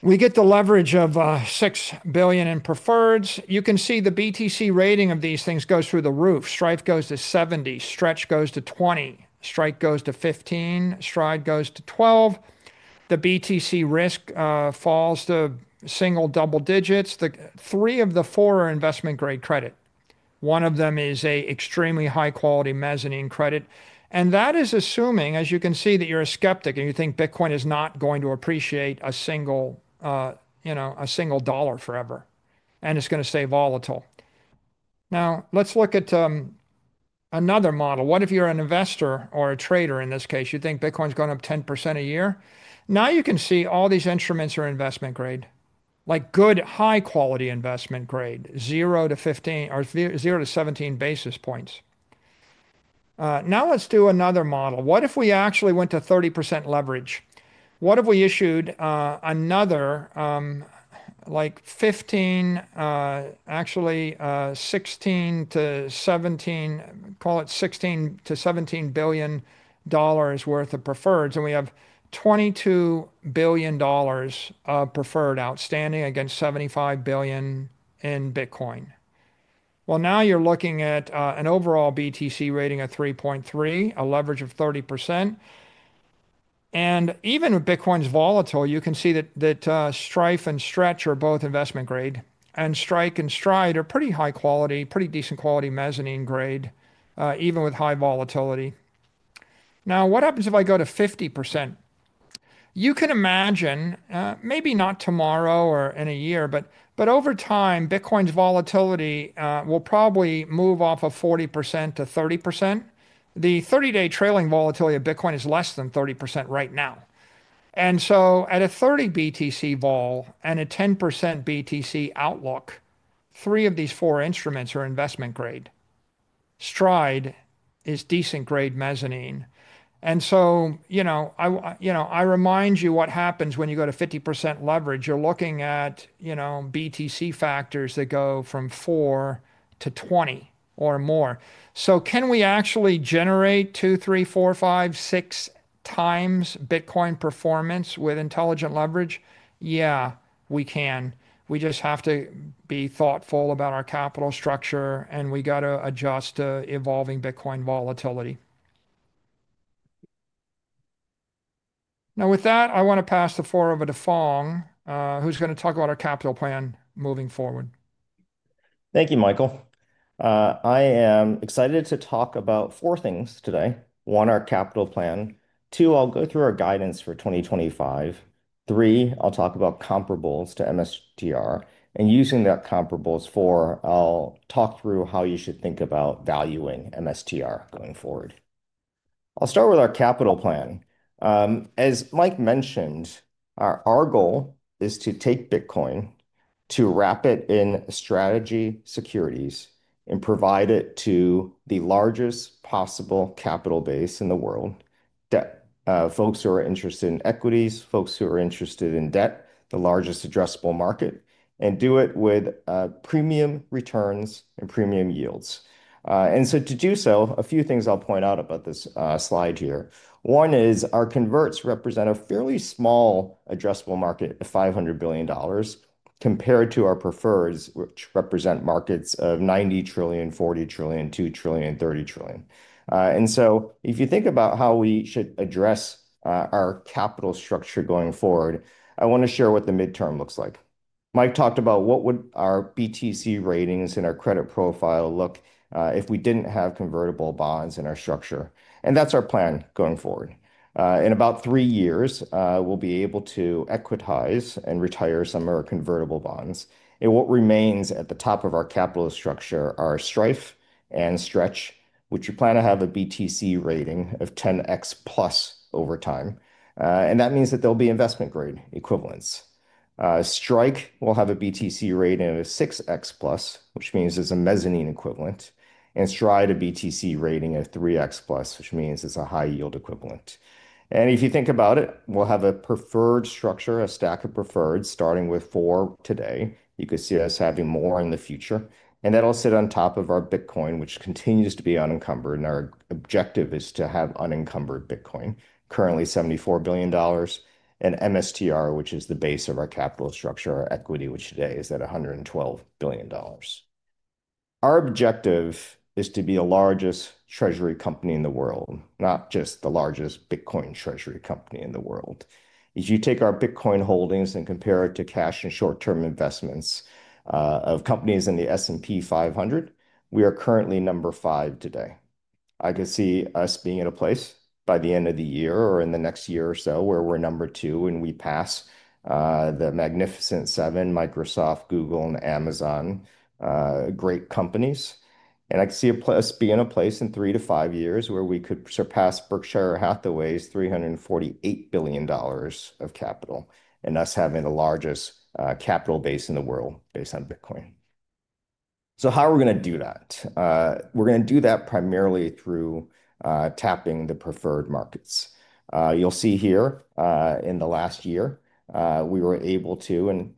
We get the leverage of $6 billion in preferreds. You can see the BTC Rating of these things goes through the roof. STRK goes to 70. STRD goes to 20. STRF goes to 15. STRC goes to 12. The BTC risk falls to single double digits. Three of the four are investment grade credit. One of them is an extremely high quality mezzanine credit. That is assuming, as you can see, that you're a skeptic and you think Bitcoin is not going to appreciate a single, you know, a single dollar forever and it's going to stay volatile. Now let's look at another model. What if you're an investor or a trader in this case, you think Bitcoin's going up 10% a year. Now you can see all these instruments are investment grade, like good high quality investment grade, 0 to 15 or 0 to 17 basis points. Now let's do another model. What if we actually went to 30% leverage? What if we issued another like 15, actually $16 to $17 billion worth of preferreds, and we have $22 billion preferred outstanding against $75 billion in Bitcoin. Now you're looking at an overall BTC Rating of 3.3, a leverage of 30%. Even with Bitcoin's volatility, you can see that STRF and STRD are both investment grade, and STRK and STRC are pretty high quality, pretty decent quality mezzanine grade, even with high volatility. What happens if I go to 50%? You can imagine, maybe not tomorrow or in a year, but over time, Bitcoin's volatility will probably move off of 40% to 30%. The 30 day trailing volatility of Bitcoin is less than 30% right now. At a 30 BTC volume and a 10% BTC outlook, three of these four instruments are investment grade. STRD is decent grade mezzanine. I remind you what happens when you go to 50% leverage. You're looking at BTC Factors that go from 4 to 20 or more. Can we actually generate 2, 3, 4, 5, 6 times Bitcoin performance with intelligent leverage? Yeah, we can. We just have to be thoughtful about our capital structure and we got to adjust to evolving Bitcoin volatility. With that, I want to pass the floor over to Phong, who's going to talk about our capital plan moving forward. Thank you, Michael. I am excited to talk about four things today. One, our capital plan. Two, I'll go through our guidance for 2025. Three, I'll talk about comparables to MSTR and using that comparables. Four, I'll talk through how you should think about valuing MSTR going forward. I'll start with our capital plan. As Mike mentioned, our goal is to take Bitcoin, to wrap it in Strategy securities, and provide it to the largest possible capital base in the world: debt, folks who are interested in equities, folks who are interested in debt, the largest addressable market, and do it with premium returns and premium yields. To do so, a few things I'll point out about this slide here. One is our converts represent a fairly small addressable market of $500 billion compared to our preferreds, which represent markets of $90 trillion, $40 trillion, $2 trillion, $30 trillion. If you think about how we should address our capital structure going forward, I want to share what the midterm looks like. Mike talked about what would our BTC Ratings and our credit profile look if we didn't have convertible bonds in our structure. That's our plan going forward. In about three years, we'll be able to equitize and retire some of our convertible bonds. What remains at the top of our capital structure are STRF and STRD, which we plan to have a BTC Rating of 10x plus over time. That means that they'll be investment grade equivalents. STRK will have a BTC Rating of 6x plus, which means it's a mezzanine equivalent, and STRC a BTC Rating of 3x plus, which means it's a high yield equivalent. If you think about it, we'll have a preferred structure, a stack of preferred starting with four today. You could see us having more in the future. That'll sit on top of our Bitcoin, which continues to be unencumbered. Our objective is to have unencumbered Bitcoin, currently $7.4 billion, and MSTR, which is the base of our capital structure, our equity, which today is at $11.2 billion. Our objective is to be the largest treasury company in the world, not just the largest Bitcoin treasury company in the world. If you take our Bitcoin holdings and compare it to cash and short-term investments of companies in the S&P 500, we are currently number five today. I could see us being at a place by the end of the year or in the next year or so where we're number two and we pass the Magnificent Seven: Microsoft, Google, and Amazon, great companies. I can see us being a place in three to five years where we could surpass Berkshire Hathaway's $348 billion of capital and us having the largest capital base in the world based on Bitcoin. How are we going to do that? We're going to do that primarily through tapping the preferred markets. You'll see here, in the last year we were able to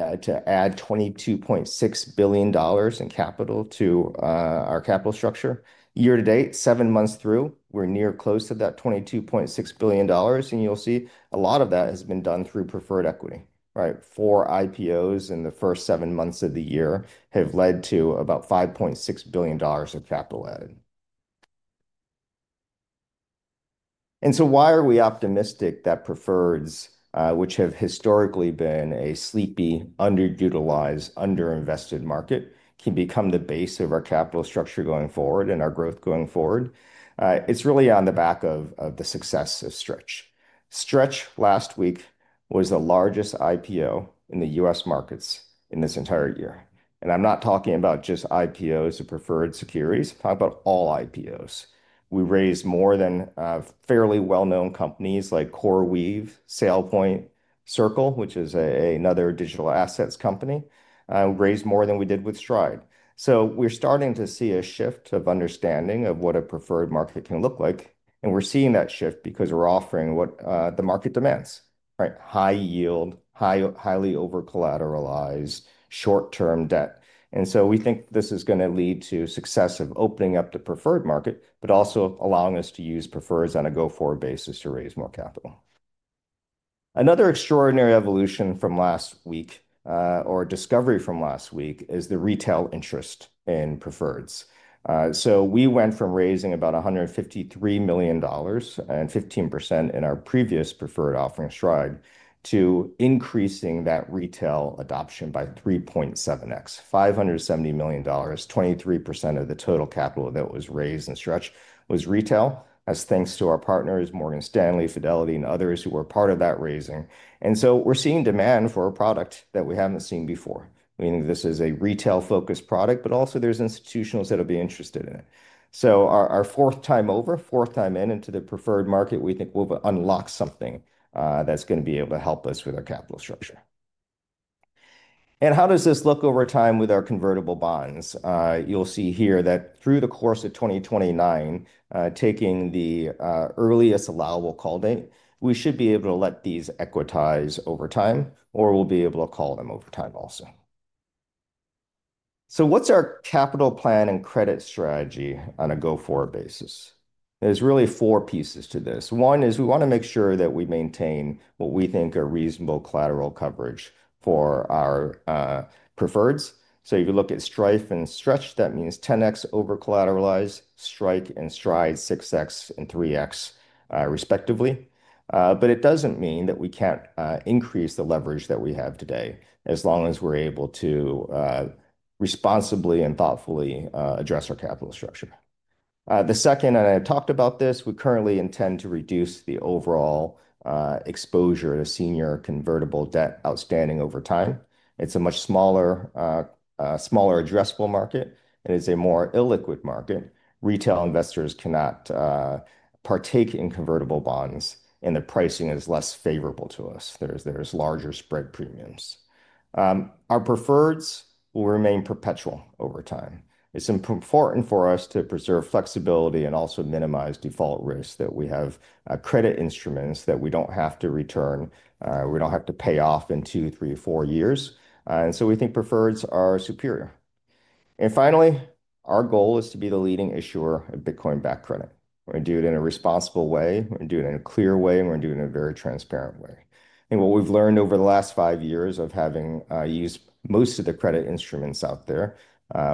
add $22.6 billion in capital to our capital structure. Year to date, seven months through, we're near close to that $22.6 billion. You'll see a lot of that has been done through preferred equity. Four IPOs in the first seven months of the year have led to about $5.6 billion of capital added. Why are we optimistic that preferreds, which have historically been a sleepy, underutilized, underinvested market, can become the base of our capital structure going forward and our growth going forward? It's really on the back of the success of STRC. Last week was the largest IPO in the U.S. markets in this entire year. I'm not talking about just IPOs or preferred securities. I'm talking about all IPOs. We raised more than fairly well-known companies like CoreWeave, SailPoint, Circle, which is another digital assets company, raised more than we did with STRC. We're starting to see a shift of understanding of what a preferred market can look like. We're seeing that shift because we're offering what the market demands: high yield, highly over-collateralized short-term debt. We think this is going to lead to success of opening up the preferred market, but also allowing us to use preferreds on a go-forward basis to raise more capital. Another extraordinary evolution from last week, or discovery from last week, is the retail interest in preferreds. We went from raising about $153 million and 15% in our previous preferred offering STRD, to increasing that retail adoption by 3.7x, $570 million. 23% of the total capital that was raised in STRC was retail, thanks to our partners, Morgan Stanley, Fidelity, and others who were part of that raising. We're seeing demand for a product that we haven't seen before, meaning this is a retail-focused product, but also there's institutionals that will be interested in it. Our fourth time into the preferred market, we think we'll unlock something that's going to be able to help us with our capital structure. How does this look over time with our convertible bonds? You'll see here that through the course of 2029, taking the earliest allowable call date, we should be able to let these equitize over time or we'll be able to call them over time also. What's our capital plan and credit strategy on a go forward basis? There's really four pieces to this. One is we want to make sure that we maintain what we think are reasonable collateral coverage for our Preferreds. If you look at STRK and STRD, that means 10x over-collateralized STRK and STRD, 6x and 3x respectively. It doesn't mean that we can't increase the leverage that we have today as long as we're able to responsibly and thoughtfully address our capital structure. The second, and I talked about this, we currently intend to reduce the overall exposure to senior convertible debt outstanding over time. It's a much smaller, smaller addressable market and is a more illiquid market. Retail investors cannot partake in convertible bonds and the pricing is less favorable to us. There's larger spread premiums. Our Preferreds will remain perpetual over time. It's important for us to preserve flexibility and also minimize default risk that we have credit instruments that we don't have to return, we don't have to pay off in two, three, four years. We think Preferreds are superior. Finally, our goal is to be the leading issuer of Bitcoin-backed credit. We're going to do it in a responsible way, we're going to do it in a clear way, and we're doing it in a very transparent way. What we've learned over the last five years of having used most of the credit instruments out there,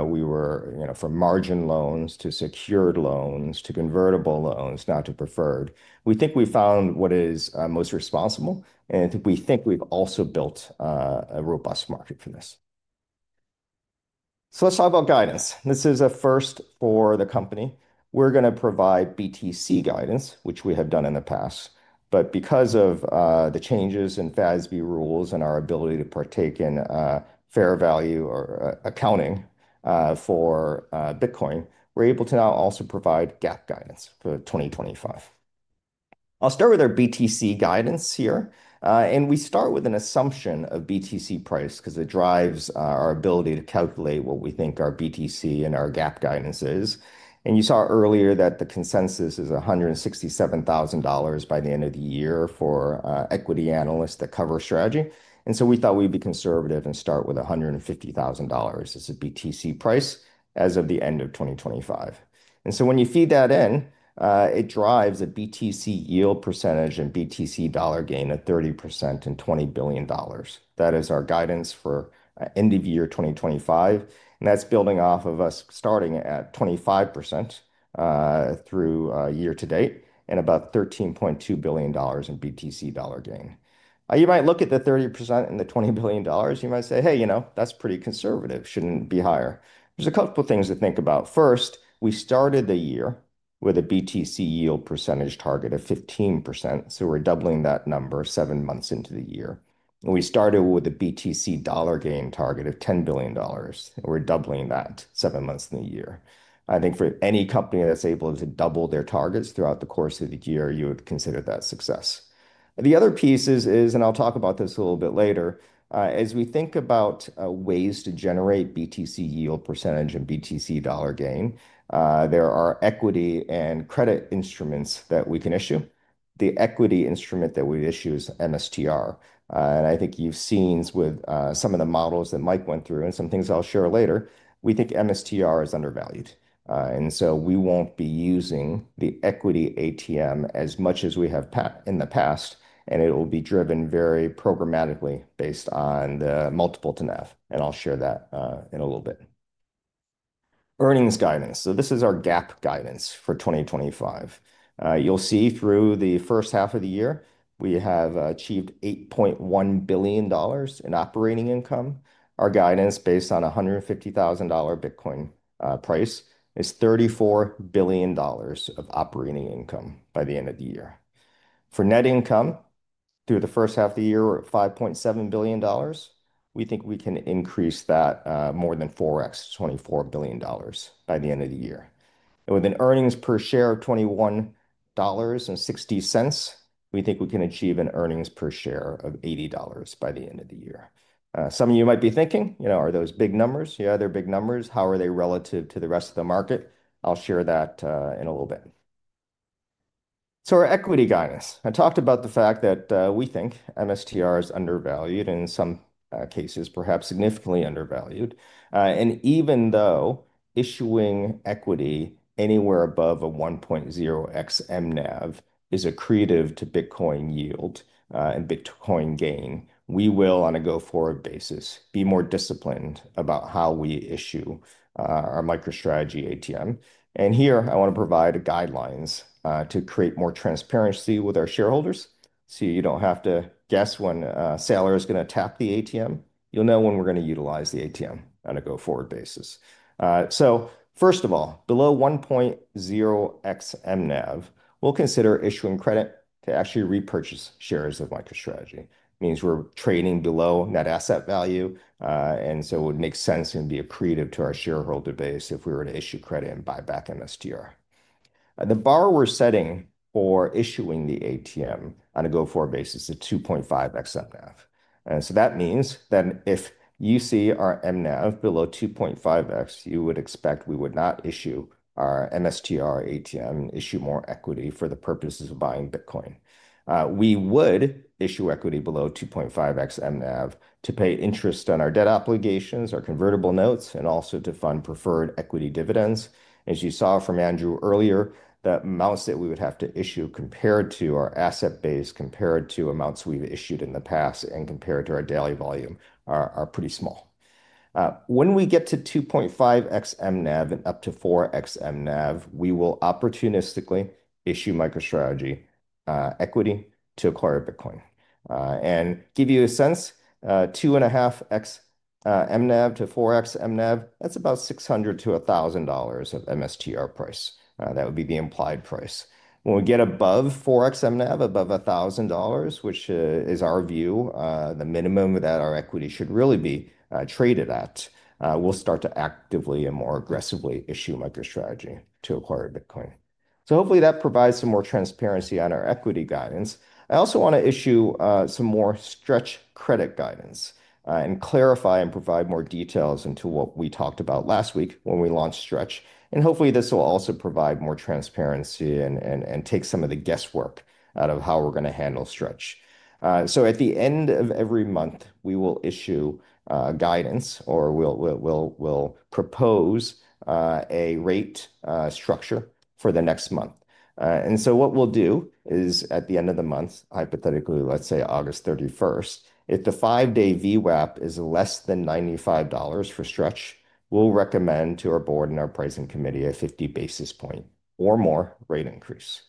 we were from margin loans to secured loans to convertible loans, now to Preferred. We think we found what is most responsible and we think we've also built a robust market for this. Let's talk about guidance. This is a first for the company. We're going to provide BTC guidance, which we have done in the past. Because of the changes in FASB rules and our ability to partake in fair value accounting for Bitcoin, we're able to now also provide GAAP guidance for 2025. I'll start with our BTC guidance here. We start with an assumption of BTC price because it drives our ability to calculate what we think our BTC and our GAAP guidance is. You saw earlier that the consensus is $167,000 by the end of the year for equity analysts that cover Strategy. We thought we'd be conservative and start with $150,000 as a BTC price as of the end of 2025. When you feed that in, it drives a BTC yield % and BTC Dollar Gain at 30% and $20 billion. That is our guidance for end of year 2025. That's building off of us starting at 25% through year to date and about $13.2 billion in BTC Dollar Gain. You might look at the 30% and the $20 billion. You might say, hey, you know, that's pretty conservative. Shouldn't it be higher? There are a couple things to think about. First, we started the year with a BTC yield % target of 15%. We're doubling that number seven months into the year. We started with the BTC Dollar Gain target of $10 billion. We're doubling that seven months into the year. I think for any company that's able to double their targets throughout the course of the year, you would consider that success. The other piece is, and I'll talk about this a little bit later as we think about ways to generate BTC yield % and BTC Dollar Gain, there are equity and credit instruments that we can issue. The equity instrument that we issue is MSTR. I think you've seen with some of the models that Mike went through and some things I'll share later. We think MSTR is undervalued, and we won't be using the equity ATM as much as we have in the past. It will be driven very programmatically based on the multiple to NAV. I'll share that in a little bit. Earnings guidance: this is our GAAP guidance for 2025. You'll see through the first half of the year we have achieved $8.1 billion in operating income. Our guidance based on $150,000 Bitcoin price is $34 billion of operating income by the end of the year. For net income through the first half of the year, $5.7 billion. We think we can increase that more than 4x to $24 billion by the end of the year. With an earnings per share of $21.60, we think we can achieve an earnings per share of $80 by the end of the year. Some of you might be thinking, you know, are those big numbers? Yeah, they're big numbers. How are they relative to the rest of the market? I'll share that in a little bit. Our equity guidance: I talked about the fact that we think MSTR is undervalued, in some cases perhaps significantly undervalued. Even though issuing equity anywhere above a 1.0x mNAV is accretive to Bitcoin yield and Bitcoin gain, we will on a go-forward basis be more disciplined about how we issue our Strategy ATM. I want to provide guidelines to create more transparency with our shareholders so you don't have to guess when a seller is going to tap the ATM. You'll know when we're going to utilize the ATM on a go forward basis. First of all, below 1.0x NAV, we'll consider issuing credit to actually repurchase shares of Strategy. This means we're trading below net asset value, and it would make sense and be accretive to our shareholder base if we were to issue credit and buy back MSTR. The bar we're setting for issuing the ATM on a go forward basis is at 2.5x NAV. That means if you see our NAV below 2.5x, you would expect we would not issue our MSTR ATM or issue more equity. For the purposes of buying Bitcoin, we would not issue equity below 2.5x NAV. we would issue equity below 2.5x NAV to pay interest on our debt obligations, our convertible notes, and also to fund preferred equity dividends. As you saw from Andrew earlier, the amounts that we would have to issue compared to our asset base, compared to amounts we've issued in the past, and compared to our daily volume are pretty small. When we get to 2.5x NAV and up to 4x NAV, we will opportunistically issue Strategy equity to acquire Bitcoin. To give you a sense, 2.5x NAV to 4x NAV is about $600 to $1,000 of MSTR price. That would be the implied price. When we get above 4x NAV, above $1,000, which is our view of the minimum that our equity should really be traded at, we'll start to actively and more aggressively issue Strategy to acquire Bitcoin. Hopefully that provides some more transparency on our equity guidance. I also want to issue some more Stretch credit guidance and clarify and provide more details into what we talked about last week when we launched Stretch. Hopefully this will also provide more transparency and take some of the guesswork out of how we're going to handle Stretch. At the end of every month, we will issue guidance or we'll propose a rate structure for the next month. What we'll do is at the end of the month, hypothetically, let's say August 31, if the five-day VWAP is less than $95 for Stretch, we'll recommend to our board and our pricing committee a 50 bps or more rate increase.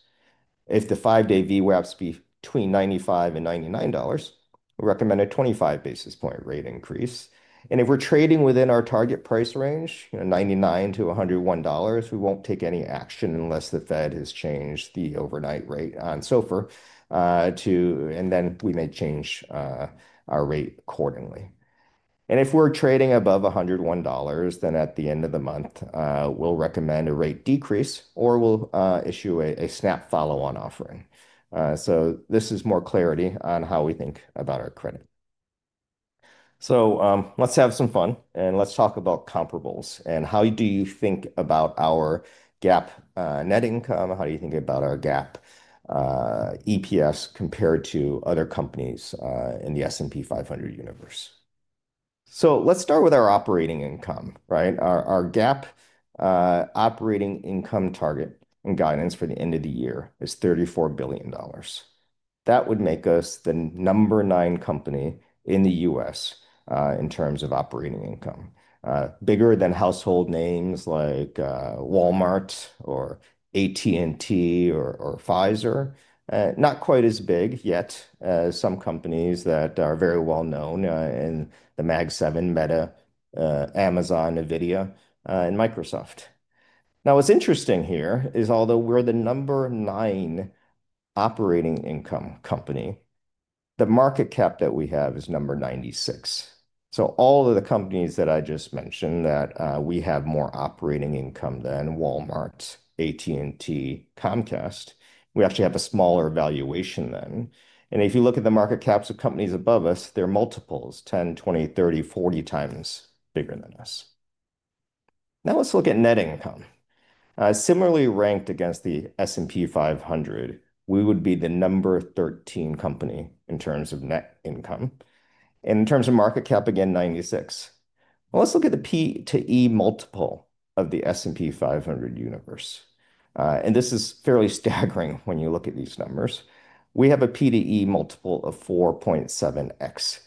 If the five-day VWAP is between $95 and $99, we recommend a 25 bps rate increase. If we're trading within our target price range, you know, $99 to $101, we won't take any action unless the Fed has changed the overnight rate on SOFR, and then we may change our rate accordingly. If we're trading above $101, then at the end of the month we'll recommend a rate decrease or we'll issue a snap follow-on offering. This is more clarity on how we think about our credit. Let's have some fun and talk about comparables. How do you think about our GAAP net income? How do you think about our GAAP EPS compared to other companies in the S&P 500 universe? Let's start with our operating income. Our GAAP operating income target and guidance for the end of the year is $34 billion. That would make us the number nine company in the U.S. in terms of operating income, bigger than household names like Walmart or AT&T or Pfizer. Not quite as big yet as some companies that are very well known in the Mag 7: Meta, Amazon, Nvidia, and Microsoft. What's interesting here is although we're the number nine operating income company, the market cap that we have is number 96. All of the companies that I just mentioned that we have more operating income than, Walmart, AT&T, Comcast, we actually have a smaller valuation than. If you look at the market caps of companies above us, they're multiples, 10, 20, 30, 40 times bigger than us. Let's look at net income similarly ranked against the S&P 500. We would be the number 13 company in terms of net income. In terms of market cap, again, 96. Let's look at the P/E multiple of the S&P 500 universe. This is fairly staggering. When you look at these numbers, we have a P/E multiple of 4.7x.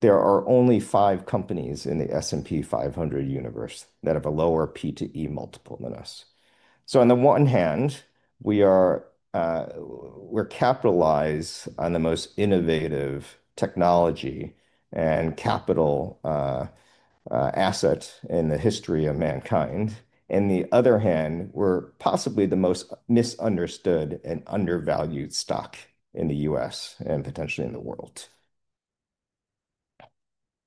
There are only five companies in the S&P 500 universe that have a lower P/E multiple than us. On the one hand, we're capitalized on the most innovative technology and capital asset in the history of mankind. On the other hand, we're possibly the most misunderstood and undervalued stock in the U.S. and potentially in the world.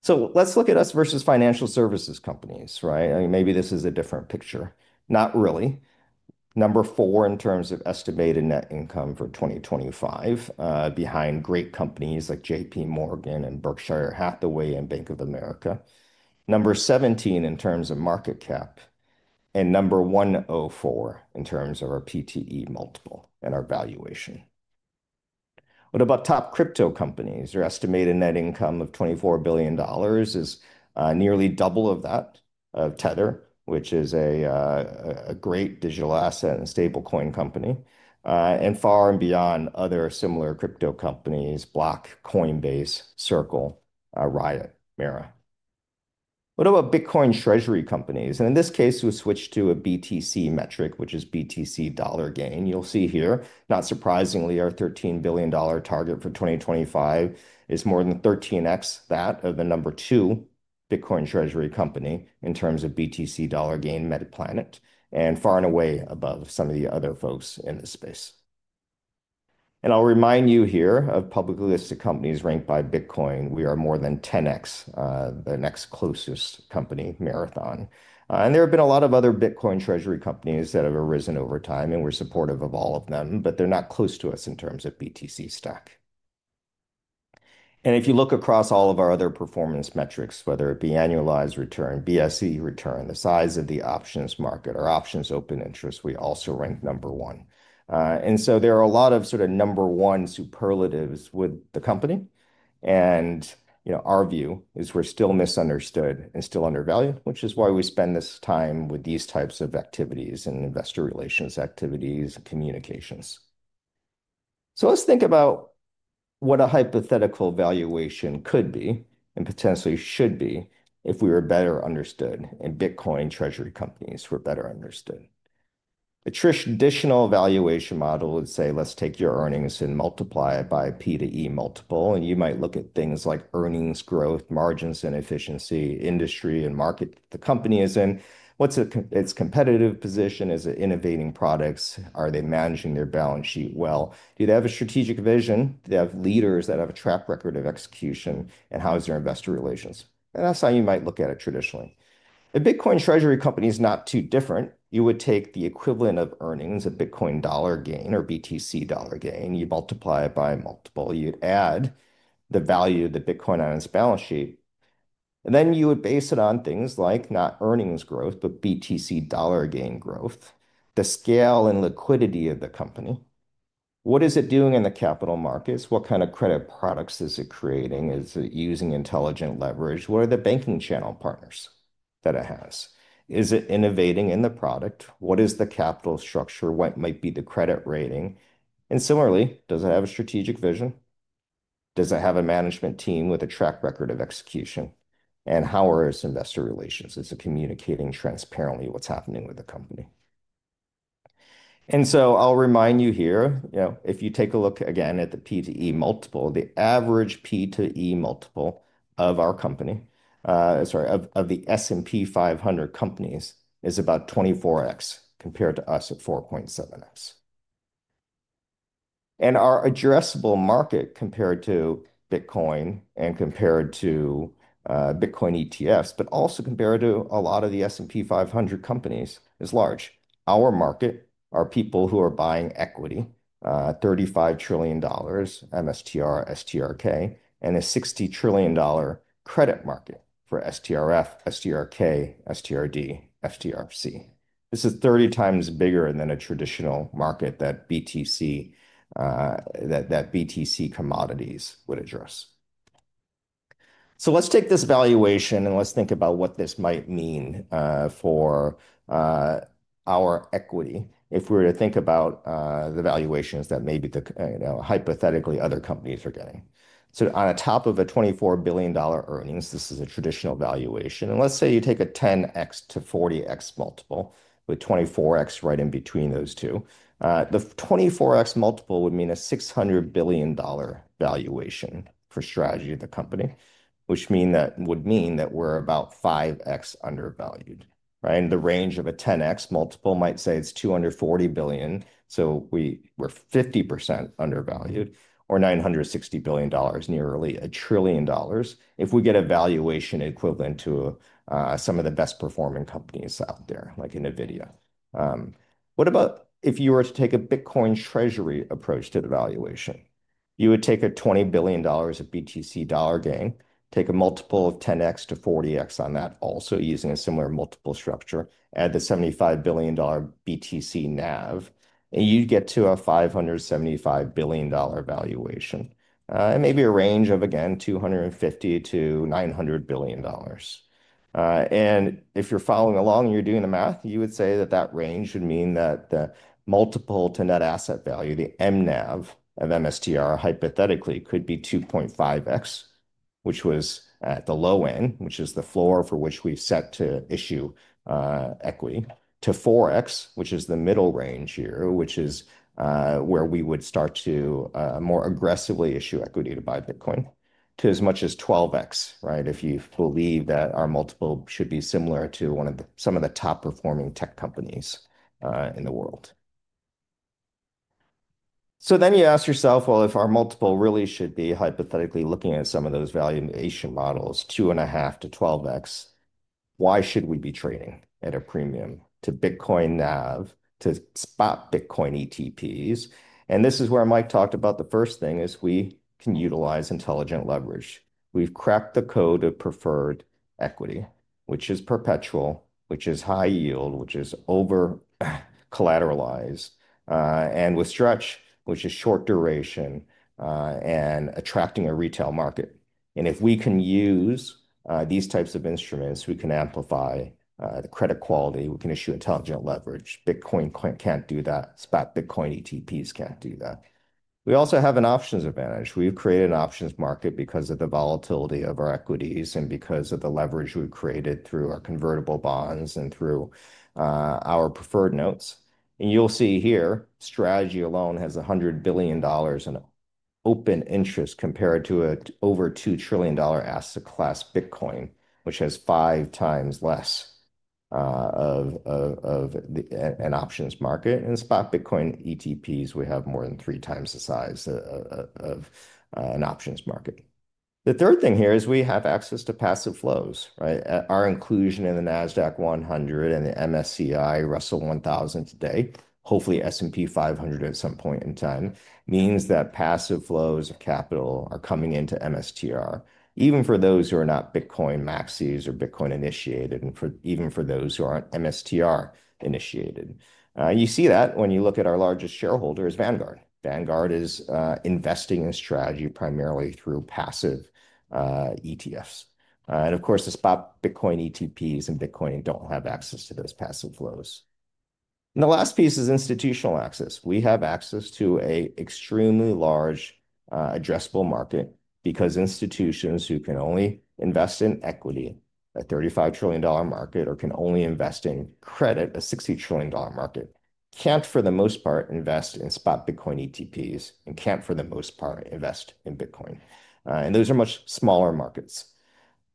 Let's look at us versus financial services companies. Maybe this is a different picture. Not really. Number four in terms of estimated net income for 2025 behind great companies like JP Morgan, Berkshire Hathaway, and Bank of America. Number 17 in terms of market cap and number 104 in terms of our P/E multiple and our valuation. What about top crypto companies? Their estimated net income of $24 billion is nearly double that of Tether, which is a great digital asset and stablecoin company, and far and beyond other similar crypto companies, Block, Coinbase, Circle, Riot, Mara. What about Bitcoin treasury companies? In this case, we switched to a BTC metric, which is BTC Dollar Gain. You'll see here, not surprisingly, our $13 billion target for 2025 is more than 13x that of the number two Bitcoin treasury company in terms of BTC Dollar Gain, Metaplanet, and far and away above some of the other folks in this space. I'll remind you here of publicly listed companies ranked by Bitcoin. We are more than 10x the next closest company, Marathon. There have been a lot of other Bitcoin treasury companies that have arisen over time, and we're supportive of all of them, but they're not close to us in terms of BTC stack. If you look across all of our other performance metrics, whether it be annualized return, BPS return, the size of the options market, or options open interest, we also rank number one. There are a lot of sort of number one superlatives with the company. Our view is we're still misunderstood and still undervalued, which is why we spend this time with these types of activities and investor relations activities, communications. Let's think about what a hypothetical valuation could be and potentially should be if we were better understood and Bitcoin treasury companies were better understood. The traditional valuation model would say let's take your earnings and multiply it by P/E multiple. You might look at things like earnings growth, margins and efficiency, industry and market the company is in, what's its competitive position, is it innovating products, are they managing their balance sheet well, do they have a strategic vision, they have leaders that have a track record of execution, and how is their investor relations. That's how you might look at it. Traditionally, a Bitcoin treasury company is not too different. You would take the equivalent of earnings of Bitcoin dollar gain or BTC Dollar Gain, you multiply it by multiple, you'd add the value of the Bitcoin on its balance sheet, and then you would base it on things like not earnings growth, but BTC Dollar Gain growth, the scale and liquidity of the company, what is it doing in the capital markets, what kind of credit products is it creating, is it using intelligent leverage. What are the banking channel partners that it has? Is it innovating in the product? What is the capital structure? What might be the credit rating? Similarly, does it have a strategic vision? Does it have a management team with a track record of execution? How are its investor relations? Is it communicating transparently what's happening with the company? I'll remind you here, if you take a look again at the P/E multiple, the average P/E multiple of S&P 500 companies is about 24x compared to us at 4.7x. Our addressable market compared to Bitcoin and compared to Bitcoin ETFs but also compared to a lot of the S&P 500 companies is large. Our market are people who are buying equity. $35 trillion MSTR, STRK and a $60 trillion credit market for STRF, STRK, STRD, STRC. This is 30 times bigger than a traditional market that BTC commodities would address. Let's take this valuation and think about what this might mean for our equity if we were to think about the valuations that maybe, hypothetically, other companies are getting. On a top of a $24 billion earnings, this is a traditional valuation. Let's say you take a 10x to 40x multiple with 24x right in between those two, the 24x multiple would mean a $600 billion valuation for Strategy, which would mean that we're about 5x undervalued. The range of a 10x multiple might say it's $240 billion, so we were 50% undervalued or $960 billion, nearly a trillion dollars, if we get a valuation equivalent to some of the best performing companies out there, like Nvidia. What about if you were to take a Bitcoin treasury approach to the valuation? You would take a $20 billion of BTC Dollar Gain, take a multiple of 10x to 40x on that, also using a similar multiple structure, add the $75 billion BTC NAV and you get to a $575 billion valuation and maybe a range of again $250 billion to $900 billion. If you're following along and you're doing the math, you would say that that range would mean that the multiple to net asset value, the NAV of MSTR hypothetically could be 2.5x, which was at the low end, which is the floor for which we set to issue equity, to 4x, which is the middle range here, which is where we would start to more aggressively issue equity to buy Bitcoin, to as much as 12x. If you believe that our multiple should be similar to one of the some of the top performing tech companies in the world, you ask yourself, if our multiple really should be hypothetically looking at some of those valuation models, 2.5x to 12x, why should we be trading at a premium to Bitcoin NAV, to spot Bitcoin ETPs. This is where Mike talked about the first thing: we can utilize intelligent leverage. We've cracked the code of preferred equity, which is perpetual, which is high yield, which is over-collateralized, and with STRC, which is short duration and attracting a retail market. If we can use these types of instruments, we can amplify the credit quality, we can issue intelligent leverage. Bitcoin can't do that. Spot Bitcoin ETPs can't do that. We also have an options advantage. We've created an options market because of the volatility of our equities and because of the leverage we've created through our convertible bonds and through our preferred notes. You'll see here Strategy alone has $100 billion in open interest compared to an over $2 trillion asset class. Bitcoin, which has five times less of an options market, and spot Bitcoin ETPs, we have more than three times the size of an options market. The third thing here is we have access to passive flows, right? Our inclusion in the NASDAQ 100 and the MSCI, Russell 1000 today, hopefully S&P 500 at some point in time, means that passive flows of capital are coming into MSTR. Even for those who are not Bitcoin Maxis or Bitcoin initiated, and even for those who aren't MSTR initiated, you see that when you look at our largest shareholder, it is Vanguard. Vanguard is investing in Strategy primarily through passive ETFs. Of course, the spot Bitcoin ETPs and Bitcoin don't have access to those passive flows. The last piece is institutional access. We have access to an extremely large addressable market because institutions who can only invest in equity, a $35 trillion market, or can only invest in credit, a $60 trillion market, can't for the most part invest in spot Bitcoin ETPs and can't for the most part invest in Bitcoin. Those are much smaller markets.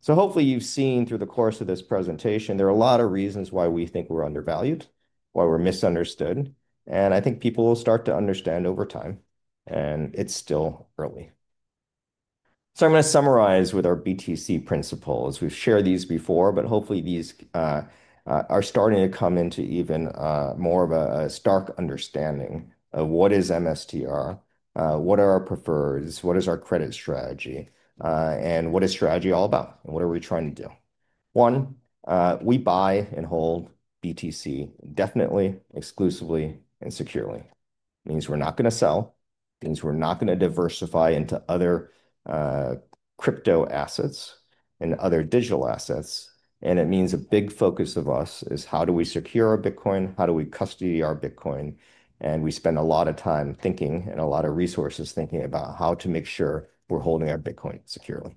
Hopefully you've seen through the course of this presentation there are a lot of reasons why we think we're undervalued, why we're misunderstood. I think people will start to understand over time. It's still early, so I'm going to summarize with our BTC principles. We've shared these before, but hopefully these are starting to come into even more of a stark understanding of what is MSTR, what are our preferreds, what is our credit strategy, what is Strategy all about, and what are we trying to do? One, we buy and hold BTC definitely, exclusively, and securely. It means we're not going to sell, it means we're not going to diversify into other crypto assets and other digital assets. It means a big focus of us is how do we secure our Bitcoin, how do we custody our Bitcoin? We spend a lot of time thinking and a lot of resources thinking about how to make sure we're holding our Bitcoin securely.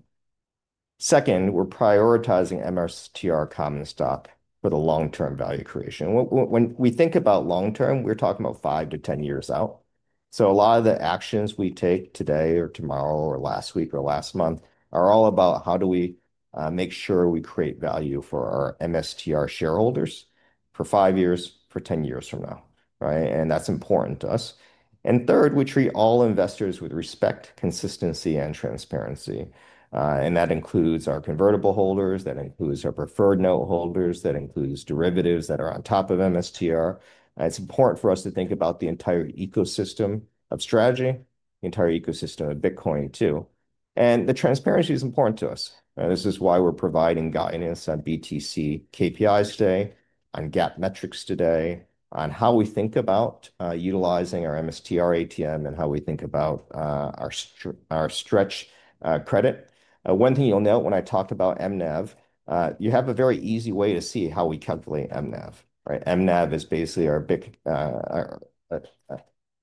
Second, we're prioritizing MSTR common stock for the long-term value creation. When we think about long term, we're talking about five to ten years out. A lot of the actions we take today or tomorrow or last week or last month are all about how do we make sure we create value for our MSTR shareholders for five years, for ten years from now. That's important to us. Third, we treat all investors with respect, consistency, and transparency. That includes our convertible holders, that includes our preferred note holders, that includes derivatives that are on top of MSTR. It's important for us to think about the entire ecosystem of Strategy, the entire ecosystem of Bitcoin too. The transparency is important to us. This is why we're providing guidance on BTC KPIs today, on GAAP metrics today, on how we think about utilizing our MSTR ATM, and how we think about our stretch credit. One thing you'll note when I talk about NAV, you have a very easy way to see how we calculate NAV.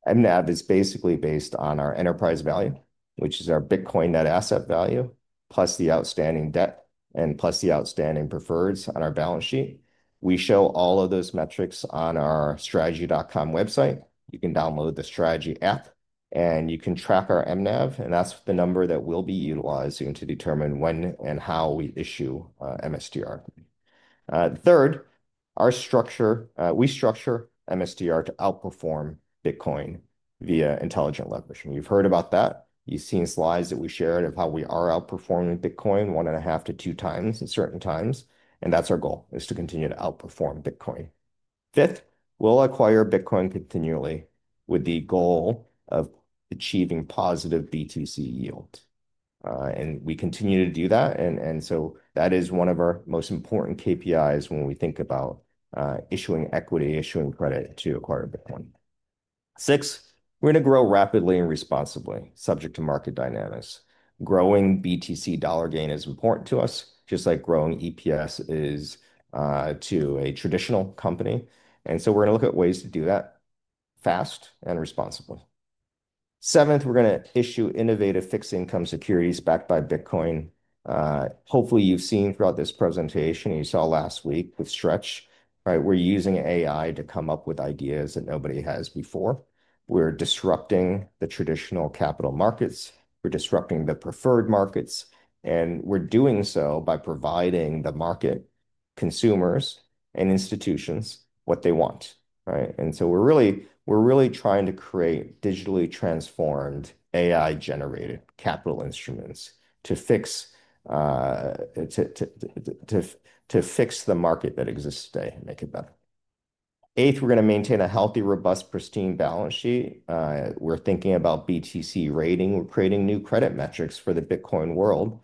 NAV is basically based on our enterprise value, which is our Bitcoin net asset value, plus the outstanding debt, and plus the outstanding preferreds on our balance sheet. We show all of those metrics on our strategy.com website. You can download the Strategy app and you can track our NAV, and that's the number that we'll be utilizing to determine when and how we issue MSTR. Third, our structure. We structure MSTR to outperform Bitcoin via intelligent leveraging. You've heard about that, you've seen slides that we shared of how we are outperforming Bitcoin one and a half to two times at certain times. That's our goal, to continue to outperform Bitcoin. Fifth, we'll acquire Bitcoin continually with the goal of achieving positive BTC yield, and we continue to do that. That is one of our most important KPIs when we think about issuing equity, issuing credit to acquire Bitcoin. Six, we are going to grow rapidly and responsibly subject to market dynamics. Growing BTC Dollar Gain is important to us just like growing EPS is to a traditional company. We are going to look at ways to do that fast and responsibly. Seventh, we are going to issue innovative fixed income securities backed by Bitcoin. Hopefully you have seen throughout this presentation, you saw last week with STRC, right? We are using AI to come up with ideas that nobody has before. We are disrupting the traditional capital markets, we are disrupting the preferred markets, and we are doing so by providing the market, consumers, and institutions what they want. We are really trying to create digitally transformed AI-generated capital instruments to fix the market that exists today and make it better. Eighth, we are going to maintain a healthy, robust, pristine balance sheet. We are thinking about BTC Rating, we are creating new credit metrics for the Bitcoin world.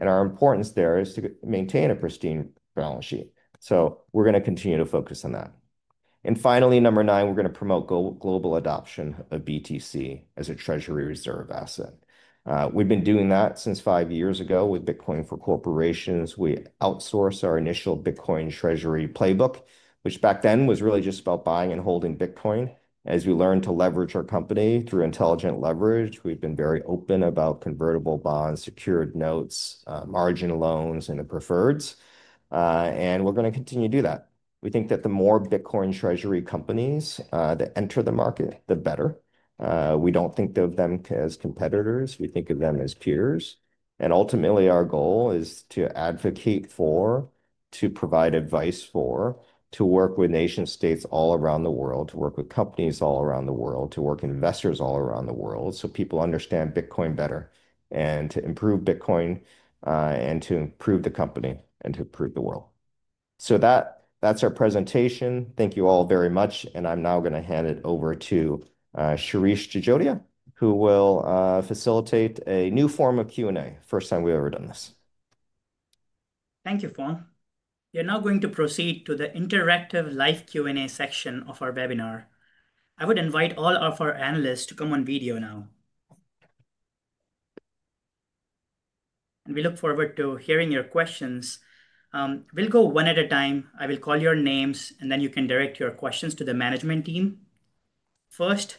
Our importance there is to maintain a pristine balance sheet, so we are going to continue to focus on that. Finally, number nine, we are going to promote global adoption of BTC as a treasury reserve asset. We have been doing that since five years ago with Bitcoin for Corporations. We outsourced our initial Bitcoin treasury playbook, which back then was really just about buying and holding Bitcoin. As we learn to leverage our company through intelligent leverage, we have been very open about convertible bonds, secured notes, margin loans, and the preferreds. We are going to continue to do that. We think that the more Bitcoin treasury companies that enter the market, the better. We do not think of them as competitors, we think of them as peers. Ultimately, our goal is to advocate for, to provide advice for, to work with nation states all around the world, to work with companies all around the world, to work with investors all around the world so people understand Bitcoin better and to improve Bitcoin and to improve the company and to improve the world. That is our presentation. Thank you all very much. I am now going to hand it over to Shirish Jajodia, who will facilitate a new form of Q and A. First time we have ever done this. Thank you, Phong. We are now going to proceed to the interactive live Q&A section of our webinar. I would invite all of our analysts to come on video now, and we look forward to hearing your questions. We'll go one at a time. I will call your names, and then you can direct your questions to the management team. First,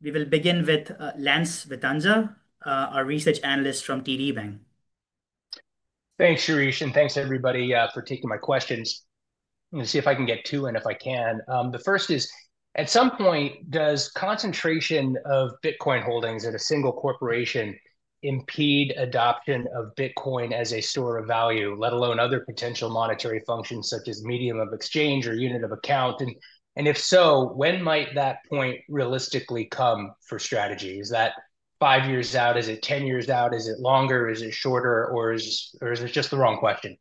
we will begin with Lance Vitanza, our research analyst from TD Bank. Thanks, Shirish. Thanks everybody for taking my questions. Let me see if I can get two, if I can. The first is, at some point, does concentration of Bitcoin holdings at a single corporation impede adoption of Bitcoin as a store of value, let alone other potential monetary functions such as medium of exchange or unit of account? If so, when might that point realistically come for Strategy? Is that five years out? Is it 10 years out? Is it longer? Is it shorter? Or is it just the wrong question?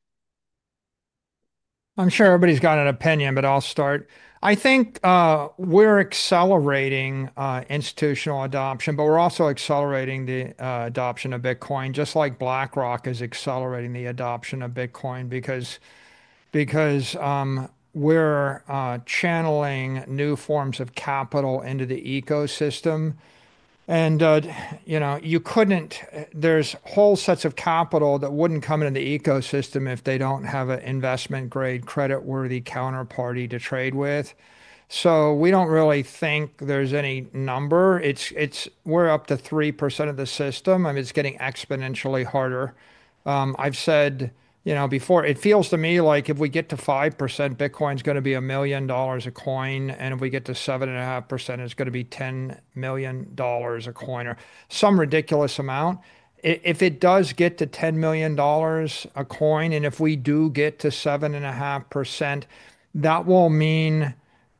I'm sure everybody's got an opinion, but I'll start. I think we're accelerating institutional adoption, but we're also accelerating the adoption of Bitcoin, just like BlackRock is accelerating the adoption of Bitcoin because we're channeling new forms of capital into the ecosystem. You know, you couldn't, there's whole sets of capital that wouldn't come into the ecosystem if they don't have an investment grade, creditworthy counterparty to trade with. We don't really think there's any number. We're up to 3% of the system. I mean, it's getting exponentially harder. I've said before, it feels to me like if we get to 5%, Bitcoin's going to be $1 million a coin. If we get to 7.5%, it's going to be $10 million a coin or some ridiculous amount if it does get to $10 million a coin. If we do get to 7.5%, that will mean that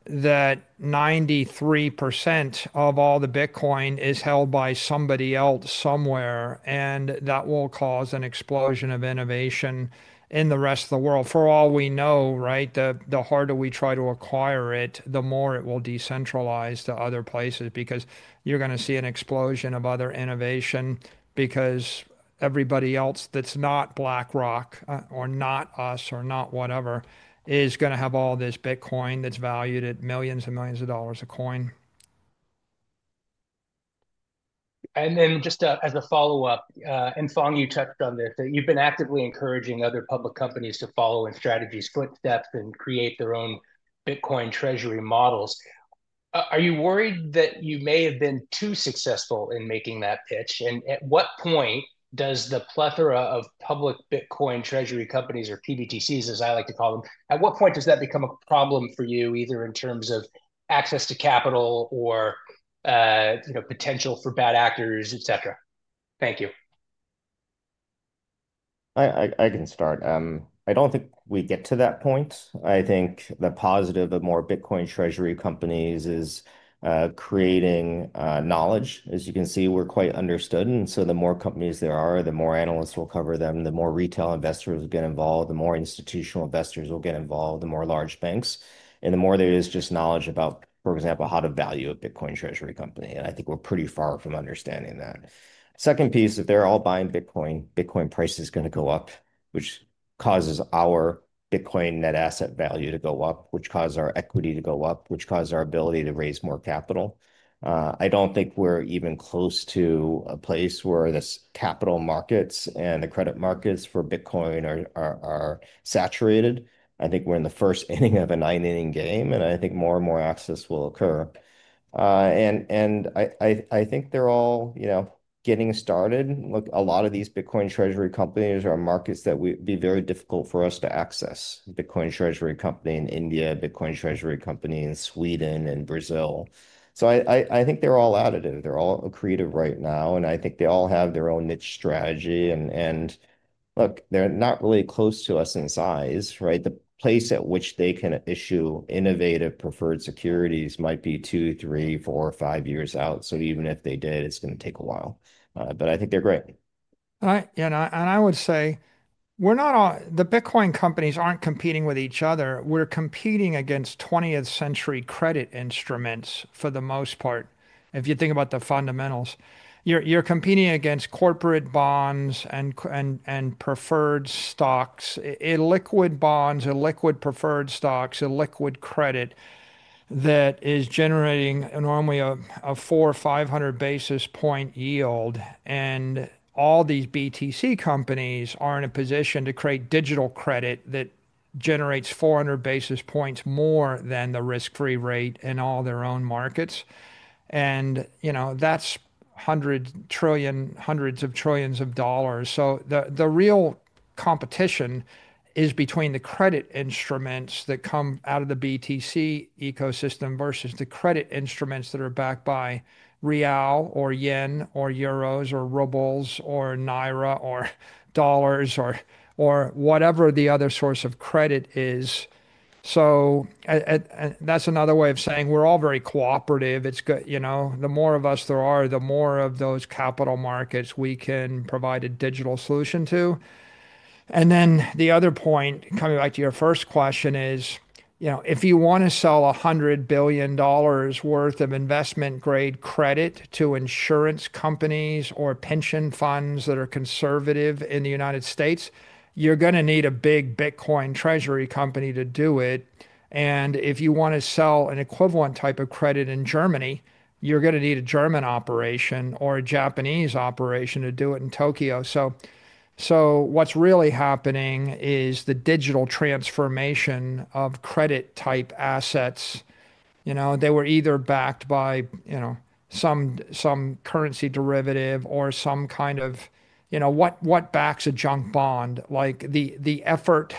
93% of all the Bitcoin is held by somebody else somewhere. That will cause an explosion of innovation in the rest of the world for all we know. The harder we try to acquire it, the more it will decentralize to other places because you're going to see an explosion of other innovation because everybody else that's not BlackRock or not us or not whatever is going to have all this Bitcoin that's valued at millions and millions of dollars a coin. Just as a follow up, Phong, you touched on this, that you've been actively encouraging other public companies to follow in Strategy's footsteps and create their own Bitcoin treasury models. Are you worried that you may have? Been too successful in making that pitch? At what point does the plethora of public Bitcoin treasury companies, or PBTCs as I like to call them, at what point does that become a problem for you? Either in terms of access to capital or, you know, potential for bad actors, etc. Thank you. I can start. I don't think we get to that point. I think the positive of more Bitcoin treasury companies is creating knowledge. As you can see, we're quite understood. The more companies there are, the more analysts will cover them. The more retail investors get involved, the more institutional investors will get involved, the more large banks, and the more there is just knowledge about, for example, how to value a Bitcoin treasury company. I think we're pretty far from understanding that second piece. If they're all buying Bitcoin, Bitcoin price is going to go up, which causes our Bitcoin net asset value to go up, which causes our equity to go up, which causes our ability to raise more capital. I don't think we're even close to a place where this capital markets and the credit markets for Bitcoin are saturated. I think we're in the first inning of a nine inning game, and I think more and more access will occur. I think they're all getting started. A lot of these Bitcoin treasury companies are markets that would be very difficult for us to access. Bitcoin treasury company in India, Bitcoin treasury company in Sweden and Brazil. I think they're all additive, they're all accretive right now. I think they all have their own niche strategy. Look, they're not really close to us in size, right? The place at which they can issue innovative preferred securities might be 2, 3, 4, 5 years out. Even if they did, it's going to take a while. I think they're great. I would say we're not, all the Bitcoin companies aren't competing with each other. We're competing against 20th century credit instruments for the most part. If you think about the fundamentals, you're competing against corporate bonds and preferred stocks, illiquid bonds, illiquid preferred stocks, illiquid credit that is generating normally a 400 or 500 basis point yield. All these BTC companies are in a position to create digital credit that generates 400 basis points more than the risk-free rate in all their own markets. That's hundreds of trillions of dollars. The real competition is between the credit instruments that come out of the BTC ecosystem versus the credit instruments that are backed by real or yen or euros or rubles or naira or dollars or whatever the other source of credit is. That's another way of saying we're all very cooperative. It's good, the more of us there are, the more of those capital markets we can provide a digital solution to. The other point, coming back to your first question, is if you want to sell $100 billion worth of investment grade credit to insurance companies or pension funds that are conservative in the United States, you're going to need a big Bitcoin treasury company to do it. If you want to sell an equivalent type of credit in Germany, you're going to need a German operation or a Japanese operation to do it in Tokyo. What's really happening is the digital transformation of credit type assets. They were either backed by some currency derivative or some kind of, you know, what backs a junk bond, like the effort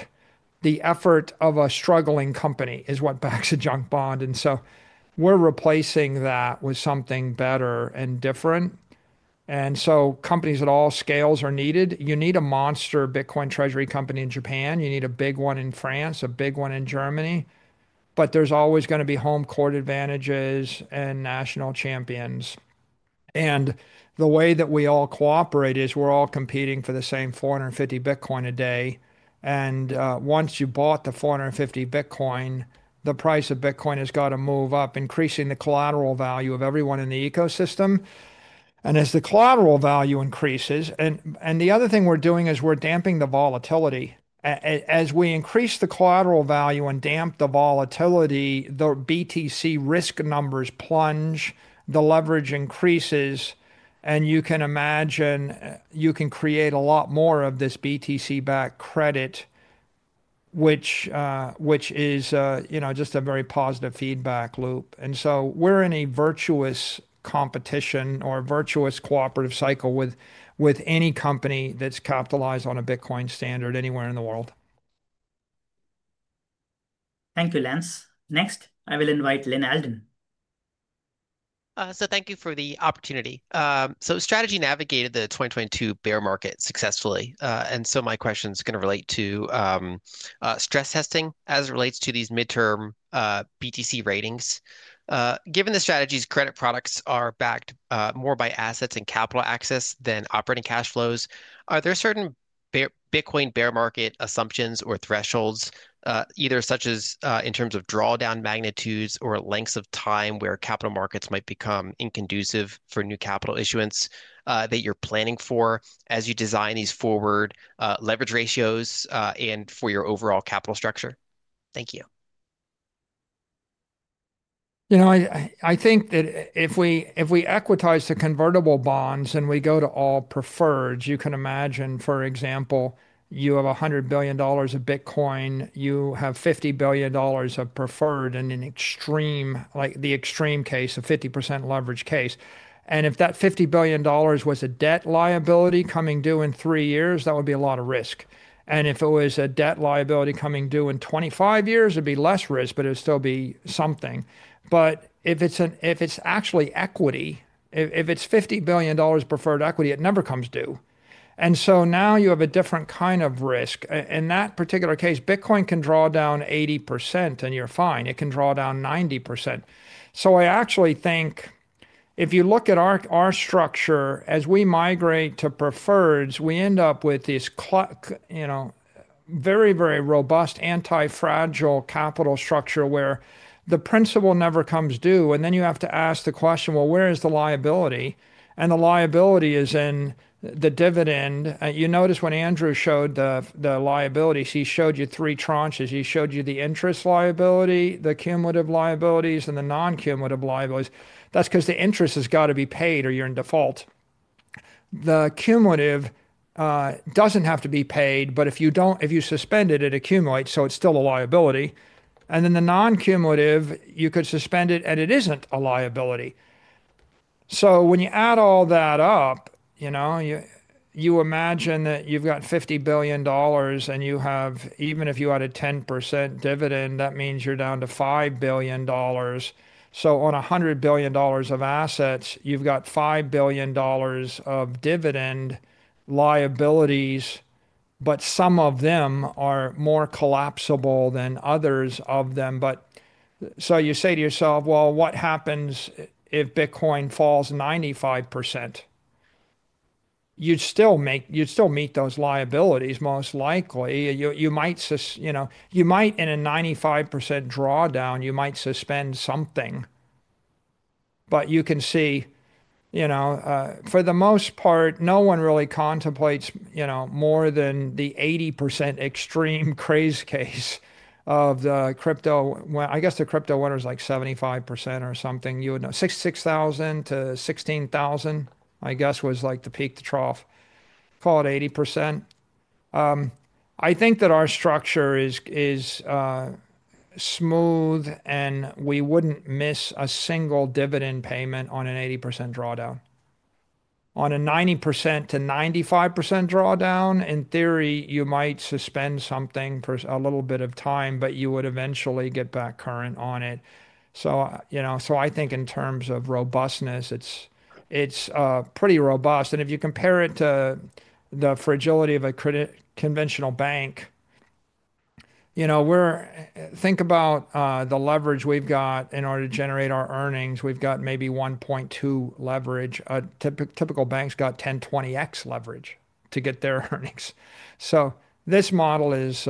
of a struggling company is what backs a junk bond. We're replacing that with something better and different. Companies at all scales are needed. You need a monster Bitcoin treasury company in Japan, you need a big one in France, a big one in Germany. There's always going to be home court advantages and national champions. The way that we all cooperate is we're all competing for the same 450 Bitcoin a day. Once you bought the 450 Bitcoin, the price of Bitcoin has got to move up, increasing the collateral value of everyone in the ecosystem. As the collateral value increases, the other thing we're doing is we're damping the volatility. As we increase the collateral value and damp the volatility, the BTC risk numbers plunge, the leverage increases, and you can imagine you can create a lot more of this BTC-backed credit, which is just a very positive feedback loop. We're in a virtuous competition or virtuous cooperative cycle with any company that's capitalized on a Bitcoin standard anywhere in the world. Thank you, Lynn. Next, I will invite Lyn Alden. Thank you for the opportunity. Strategy navigated the 2022 bear market successfully. My question is going to relate to stress testing as it relates to these midterm BTC Ratings. Given the Strategy credit products are backed more by assets and capital access than operating cash flows, are there certain Bitcoin bear market assumptions or thresholds, either such as in terms of drawdown magnitudes or lengths of time where capital markets might become inconducive for new capital issuance, that you're planning for as you design these forward leverage ratios and for your overall capital structure? Thank you. I think that if we equitize the convertible bonds and we go to all preferreds, you can imagine, for example, you have $100 billion of Bitcoin, you have $50 billion of preferred in an extreme, like the extreme case of 50% leverage case. If that $50 billion was a debt liability coming due in three years, that would be a lot of risk. If it was a debt liability coming due in 25 years, it'd be less risk, but it'd still be something. If it's actually equity, if it's $50 billion preferred equity, it never comes due. Now you have a different kind of risk in that particular case. Bitcoin can draw down 80% and you're fine, it can draw down 90%. I actually think if you look at our structure as we migrate to preferreds, we end up with this very, very robust antifragile capital structure where the principal never comes due. You have to ask the question, where is the liability? The liability is in the dividend. You notice when Andrew showed the liabilities, he showed you three tranches, he showed you the interest liability, the cumulative liabilities, and the non-cumulative liabilities. That's because the interest has got to be paid or you're in default. The cumulative doesn't have to be paid, but if you suspend it, it accumulates, so it's still a liability. The non-cumulative, you could suspend it and it isn't a liability. When you add all that up, you imagine that you've got $50 billion and you have, even if you had a 10% dividend, that means you're down to $5 billion. On $100 billion of assets, you've got $5 billion of dividend liabilities. Some of them are more collapsible than others of them. You say to yourself, what happens if Bitcoin falls 95%? You'd still meet those liabilities. Most likely you might, in a 95% drawdown you might suspend something. You can see, for the most part, no one really contemplates more than the 80% extreme craze case of the crypto. I guess the crypto winter is like 75% or something. You would know 66,000 to 16,000 I guess was like the peak to trough, call it 80%. I think that our structure is smooth and we wouldn't miss a single dividend payment on an 80% drawdown. On a 90% to 95% drawdown, in theory you might suspend something for a little bit of time, but you would eventually get back current on it. I think in terms of robustness, it's pretty robust. If you compare it to the fragility of a conventional bank, think about the leverage we've got in order to generate our earnings. We've got maybe 1.2x leverage. A typical bank's got 10x or 20x leverage to get their earnings. This model is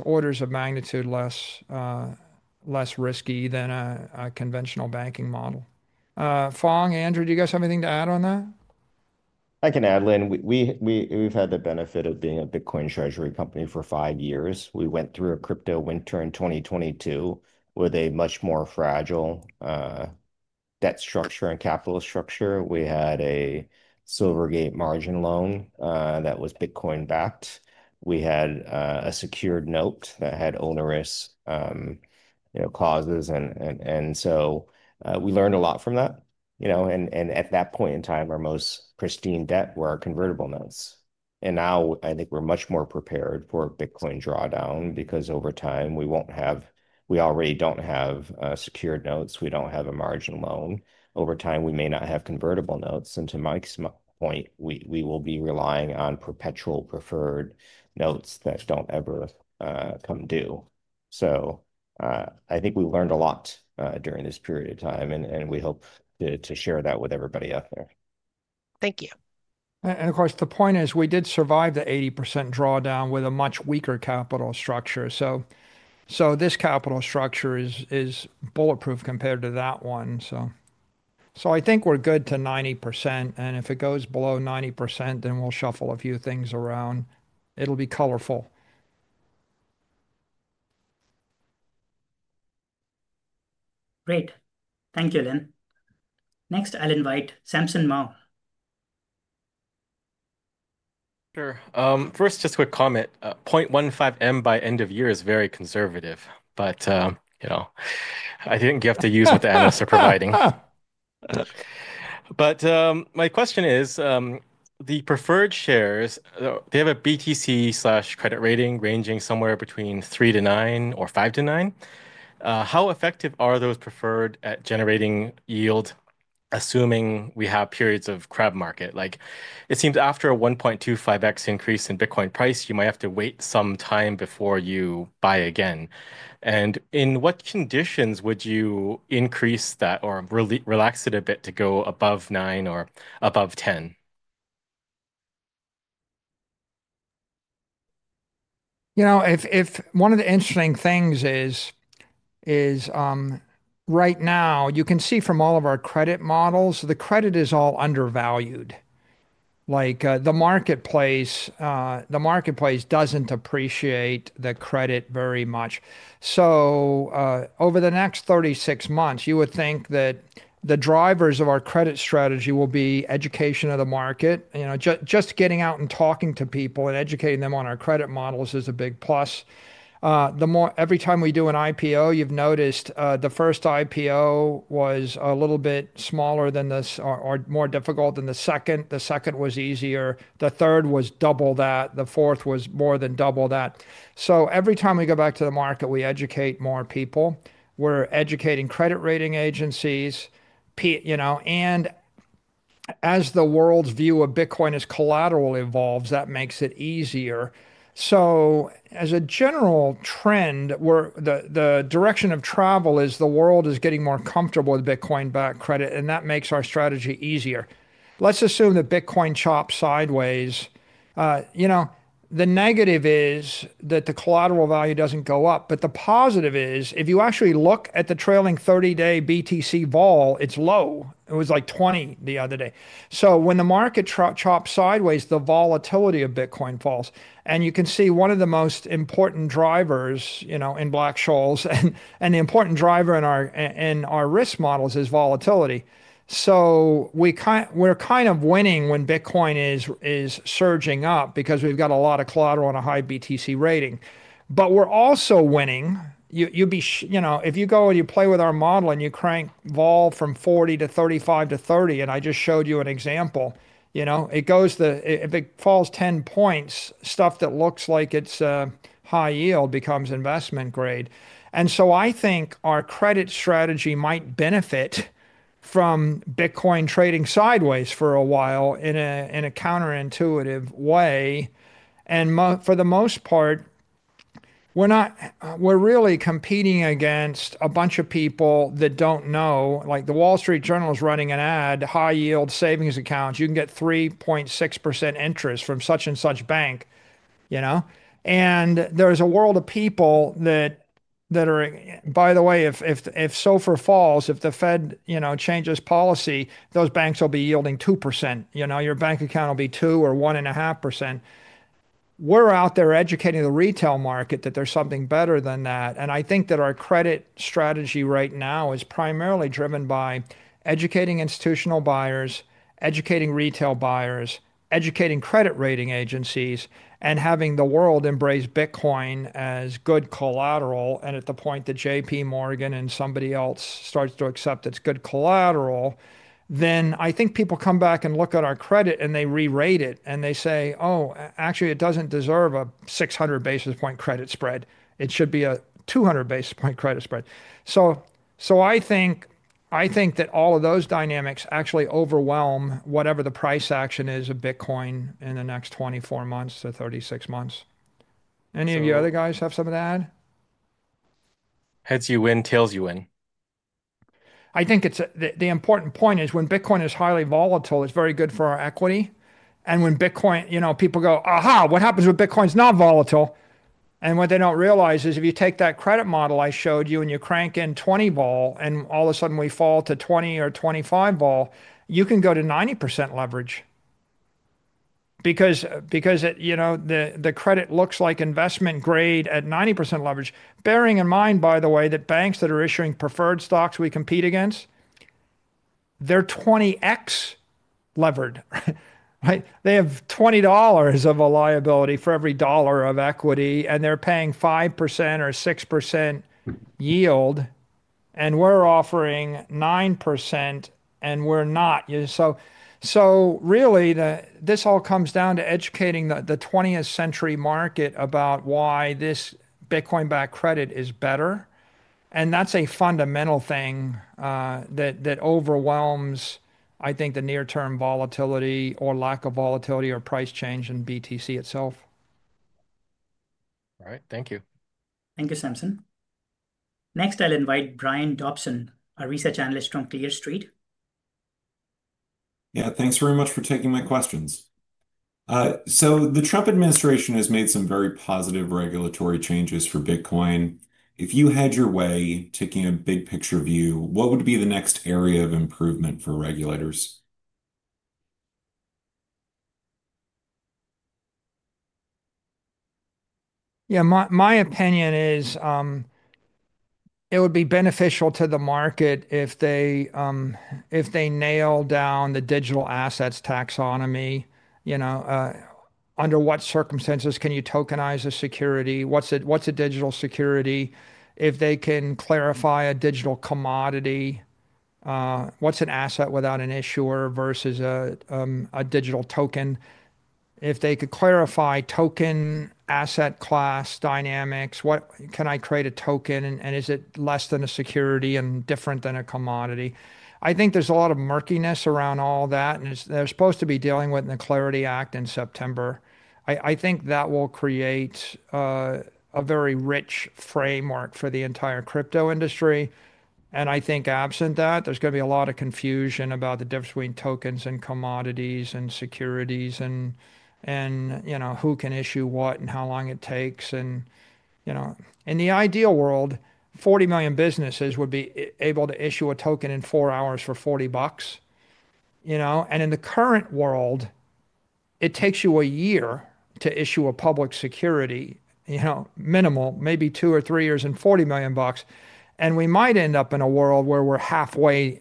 orders of magnitude less risky than a conventional banking model. Phong, Andrew, do you guys have anything to add on that? I can add Lynn. We've had the benefit of being a Bitcoin treasury company for five years. We went through a crypto winter in 2022 with a much more fragile debt structure and capital structure. We had a Silvergate margin loan that was Bitcoin-backed. We had a secured note that had onerous clauses. We learned a lot from that. At that point in time, our most pristine debt were our convertible notes. I think we're much more prepared for Bitcoin drawdown because over time we won't have, we already don't have secured notes, we don't have a margin loan. Over time we may not have convertible notes, and to Mike's point, we will be relying on perpetual preferred notes that don't ever come due. I think we learned a lot during this period of time and we hope to share that with everybody out there. Thank you. The point is we did survive the 80% drawdown with a much weaker capital structure. This capital structure is bulletproof compared to that one. I think we're good to 90%, and if it goes below 90% then we'll shuffle a few things around. It'll be colorful. Great. Thank you, Lynn. Next, I'll invite Samson Mow. First, just quick comment. $0.15 million by end of year is very conservative, but you know, I think you have to use what the analysts are providing. My question is the preferred shares, they have a BTC/credit rating ranging somewhere between 3 to 9 or 5 to 9. How effective are those preferred at generating yield? Assuming we have periods of crab market, like it seems after a 1.25x increase in Bitcoin price, you might have to wait some time before you buy again. In what conditions would you increase that or relax it a bit to go above 9 or above 10? If one of the interesting things is right now you can see from all of our credit models, the credit is all undervalued. The marketplace doesn't appreciate the credit very much. Over the next 36 months, you would think that the drivers of our credit strategy will be education of the market. Just getting out and talking to people and educating them on our credit models is a big plus. Every time we do an IPO, you've noticed the first IPO was a little bit smaller or more difficult than the second. The second was easier, the third was double that, the fourth was more than double that. Every time we go back to the market, we educate more people, we're educating credit rating agencies, and as the world's view of Bitcoin as collateral evolves, that makes it easier. As a general trend, the direction of travel is the world is getting more comfortable with Bitcoin-backed credit and that makes our strategy easier. Let's assume that Bitcoin chops sideways. The negative is that the collateral value doesn't go up. The positive is if you actually look at the trailing 30-day BTC volume, it's low. It was like 20 the other day. When the market chops sideways, the volatility of Bitcoin falls. You can see one of the most important drivers in Black-Scholes and the important driver in our risk models is volatility. We're kind of winning when Bitcoin is surging up because we've got a lot of collateral and a high BTC Rating, but we're also winning. If you go and you play with our model and you crank volume from 40 to 35 to 30, and I just showed you an example, it goes, the big falls, 10 points, stuff that looks like it's high yield becomes investment grade. I think our credit strategy might benefit from Bitcoin trading sideways for a while in a counterintuitive way. For the most part, we're really competing against a bunch of people that don't know. The Wall Street Journal is running an ad. High yield savings accounts. You can get 3.66% interest from such and such bank, and there's a world of people that are, by the way, if SOFR falls, if the Fed changes policy, those banks will be yielding 2%, your bank account will be 2% or 1.5%. We're out there educating the retail market that there's something better than that. I think that our credit strategy right now is primarily driven by educating institutional buyers, educating retail buyers, educating credit rating agencies, and having the world embrace Bitcoin as good collateral. At the point that J.P. Morgan and somebody else starts to accept it's good collateral, I think people come back and look at our credit and they re-rate it and they say, oh, actually it doesn't deserve a 600 basis point credit spread. It should be a 200 basis point credit spread. I think that all of those dynamics actually overwhelm whatever the price action is of Bitcoin in the next 24 to 36 months. Any of you other guys have something to add? Heads you win, tails you win. I think the important point is when Bitcoin is highly volatile, it's very good for our equity. When Bitcoin, people go aha, what happens with Bitcoin is not volatile. What they don't realize is if you take that credit model I showed you and you crank in 20 vol, and all of a sudden we fall to 20 or 25 Vol, you can go to 90% leverage because the credit looks like investment grade at 90% leverage. Bearing in mind, by the way, that banks that are issuing preferred stocks we compete against, they're 20x levered, they have $20 of a liability for every dollar of equity, and they're paying 5% or 6% yield and we're offering 9% and we're not. This all comes down to educating the 20th century market about why this Bitcoin-backed credit is better. That's a fundamental thing that overwhelms, I think, the near term volatility or lack of volatility or price change in BTC itself. All right, thank you. Thank you, Samson. Next, I'll invite Brian Dobson, a research analyst from Clear Street. Thank you very much for taking my questions. The Trump administration has made some very positive regulatory changes for Bitcoin. If you had your way, taking a big picture view, what would be the— Next area of improvement for regulators? Yeah, my opinion is it would be beneficial to the market if they nail down the digital assets taxonomy. You know, under what circumstances can you tokenize a security? What's a digital security? If they can clarify a digital commodity, what's an asset without an issuer versus a digital token? If they could clarify token asset class dynamics, can I create a token and is it less than a security and different than a commodity? I think there's a lot of murkiness around all that. They're supposed to be dealing with the Clarity Act in September. I think that will create a very rich framework for the entire crypto industry. I think absent that, there's going to be a lot of confusion about the difference between tokens and commodities and securities and who can issue what and how long it takes. In the ideal world, 40 million businesses would be able to issue a token in four hours for $40. In the current world, it takes you a year to issue a public security, maybe two or three years and $40 million. We might end up in a world where we're halfway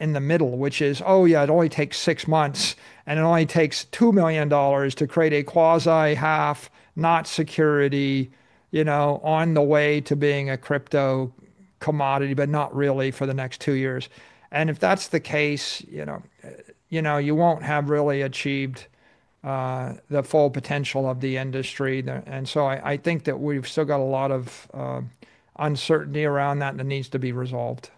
in the middle, which is, oh yeah, it only takes six months and it only takes $2 million to create a quasi half, not security, on the way to being a crypto commodity, but not really for the next two years. If that's the case, you won't have really achieved the full potential of the industry. I think that we've still got a lot of uncertainty around that that needs to be resolved.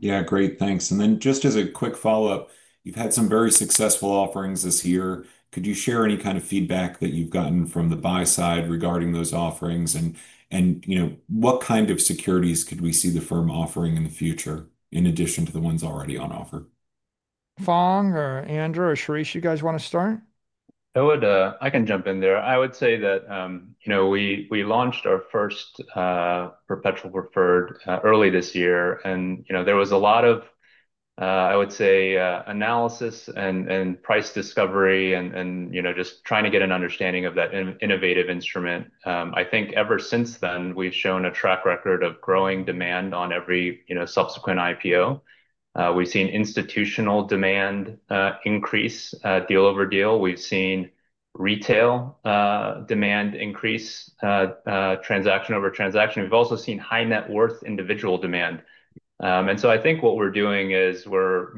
Yeah, great, thanks. Just as a quick follow. You've had some very successful offerings this year. Could you share any kind of feedback that you've gotten from the buy side regarding those offerings? What kind of securities could we. See the firm offering in the future. In addition to the ones already on offer? Phong or Andrew or Shirish? You guys want to start? I can jump in there. I would say that, you know, we launched our first Perpetual Preferred early this year, and there was a lot of analysis and price discovery and just trying to get an understanding of that innovative instrument. I think ever since then, we've shown a track record of growing demand on every subsequent IPO. We've seen institutional demand increase deal over deal. We've seen retail demand increase transaction over transaction. We've also seen high net worth individual demand. I think what we're doing is we're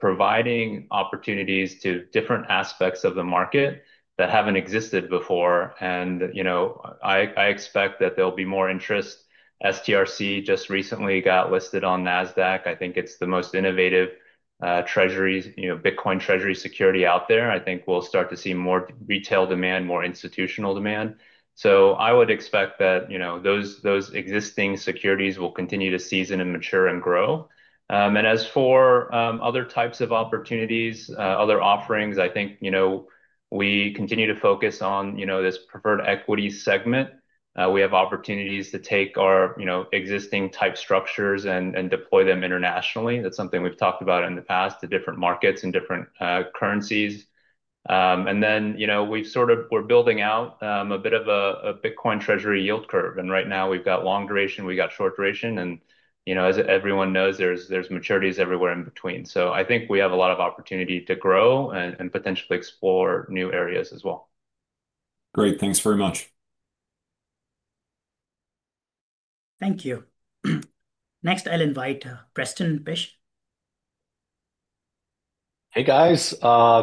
providing opportunities to different aspects of the market that haven't existed before. I expect that there'll be more interest. STRC just recently got listed on Nasdaq. I think it's the most innovative Bitcoin treasury security out there. I think we'll start to see more retail demand, more institutional demand. I would expect that those existing securities will continue to season and mature and grow. As for other types of opportunities, other offerings, I think we continue to focus on this preferred equity segment. We have opportunities to take our existing type structures and deploy them internationally. That's something we've talked about in the past to different markets and different currencies. We're building out a bit of a Bitcoin treasury yield curve. Right now we've got long duration, we got short duration, and as everyone knows, there's maturities everywhere in between. I think we have a lot of opportunity to grow and potentially explore new areas as well. Great, thanks very much. Thank you. Next, I'll invite Preston Pysh. Hey guys.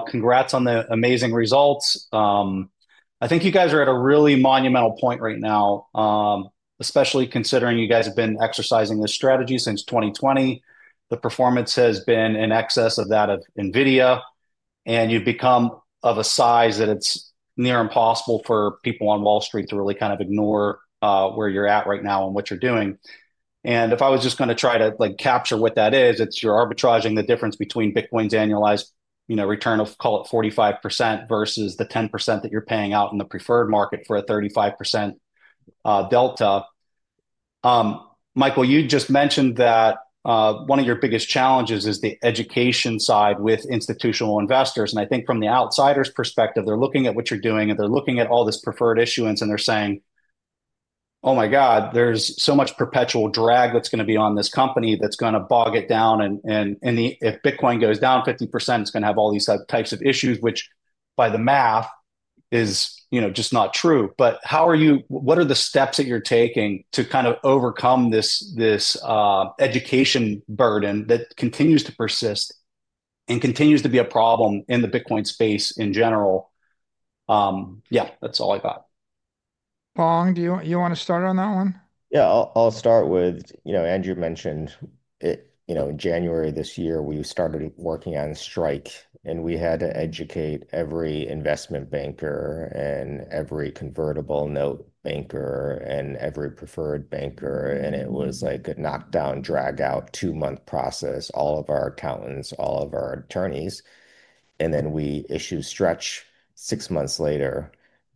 Congrats on the amazing results. I think you guys are at a really monumental point right now, especially considering you guys have been exercising this Strategy since 2020. The performance has been in excess of that of Nvidia, and you become of a size that it's near impossible for. People on Wall Street are really kind. Ignore where you're at right now and what you're doing. If I was just going to try to capture what that is, it's, you're arbitraging the difference between Bitcoin's annualized, you know, return of, call it 45% versus the 10% that you're paying out in the preferred market for a 35% delta. Michael, you just mentioned that one of your biggest challenges is the education side with institutional investors. I think from the outsider's perspective, they're looking at what you're doing and they're looking at all this preferred issuance and they're saying, oh my God, there's so much perpetual drag that's going to. Be on this company that's going to. Bog it down, and if Bitcoin goes down 50%, it's going to have all these types of issues, which by the math is just not true. What are the steps that you're taking to kind of overcome this education burden that continues to persist and continues to be a problem in the Bitcoin space in general? Yeah, that's all I got. Phong, do you want to start on that one? Yeah, I'll start with, you know, Andrew mentioned it. In January this year we started working on STRK and we had to educate every investment banker and every convertible note banker and every preferred banker. It was like a knockdown, drag out, two month process. All of our accountants, all of our attorneys, and then we issue STRC six months later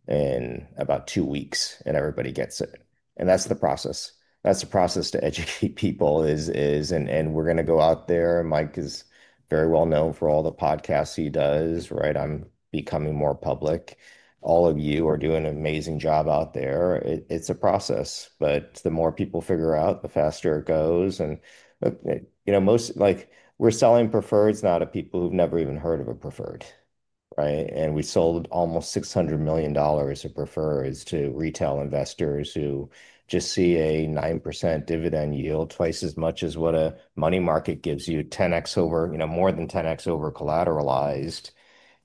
in about two weeks and everybody gets it. That's the process to educate people, and we're going to go out there. Mike is very well known for all the podcasts he does. I'm becoming more public. All of you are doing an amazing job out there. It's a process, but the more people figure out, the faster it goes. Most, like, we're selling preferreds now to people who've never even heard of a preferred. We sold almost $600 million of preferred to retail investors who just see a 9% dividend yield, twice as much as what a money market gives you. More than 10x over-collateralized,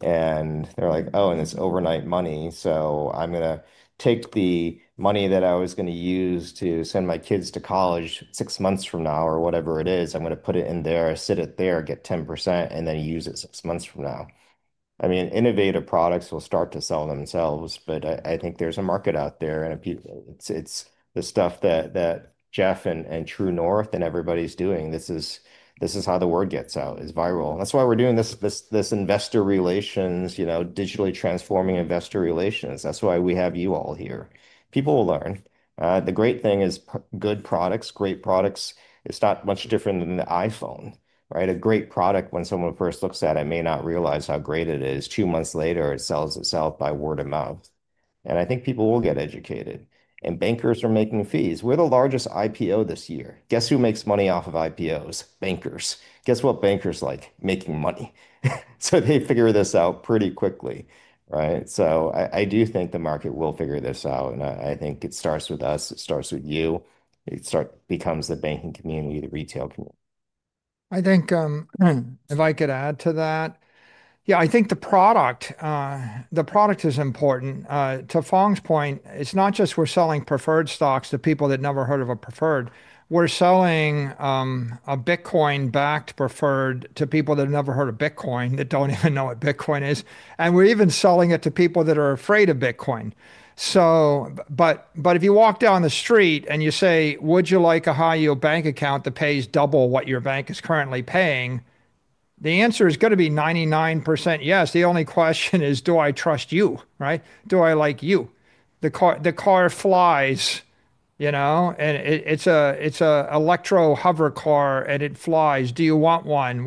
and they're like, oh, and it's overnight money. I'm going to take the money that I was going to use to send my kids to college six months from now or whatever it is, I'm going to put it in there, sit it there, get 10%, and then use it six months from now. Innovative products will start to sell themselves. I think there's a market out there and people, it's the stuff that Jeff and True North and everybody's doing. This is how the word gets out, is viral. That's why we're doing this investor relations, digitally transforming investor relations. That's why we have you all here. People will learn. The great thing is good products, great products. It's not much different than the iPhone, right? A great product, when someone first looks at it, may not realize how great it is. Two months later it sells itself by word of mouth. I think people will get educated and bankers are making fees. We're the largest IPO this year. Guess who makes money off of IPOs. Bankers, guess what? Bankers like making money. They figure this out pretty quickly, right? I do think the market will figure this out and I think it starts with us. It starts with you. It becomes the banking community, the retail community. I think if I could add to that, yeah, I think the product, the product is important. To Phong's point, it's not just we're selling preferred stocks to people that never heard of a preferred, we're selling a Bitcoin-backed preferred to people that have never heard of Bitcoin, that don't even know what Bitcoin is. We're even selling it to people that are afraid of Bitcoin. If you walk down the street and you say, would you like a high yield bank account that pays double what your bank is currently paying? The answer is going to be 99%. Yes. The only question is, do I trust you? Do I like you? The car, the car flies, you know, and it's a, it's an electro hover car and it flies. Do you want one?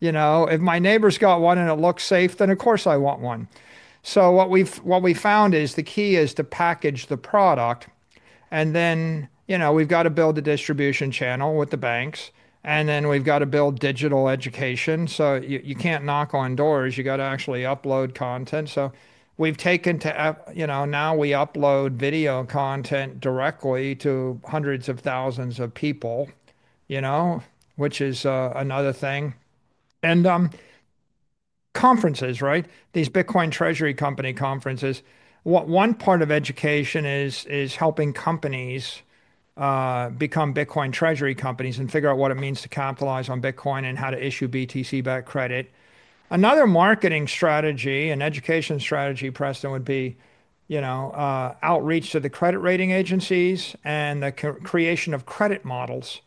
If my neighbor's got one and it looks safe, then of course I want one. What we've found is the key is to package the product and then we've got to build a distribution channel with the banks and then we've got to build digital education. You can't knock on doors, you got to actually upload content. We've taken to, now we upload video content directly to hundreds of thousands of people, which is another thing. Conferences, right, these Bitcoin treasury company conferences. One part of education is helping companies become Bitcoin treasury companies and figure out what it means to capitalize on Bitcoin and how to issue BTC-backed credit. Another marketing strategy and education strategy, Preston, would be outreach to the credit rating agencies and the creation of credit models.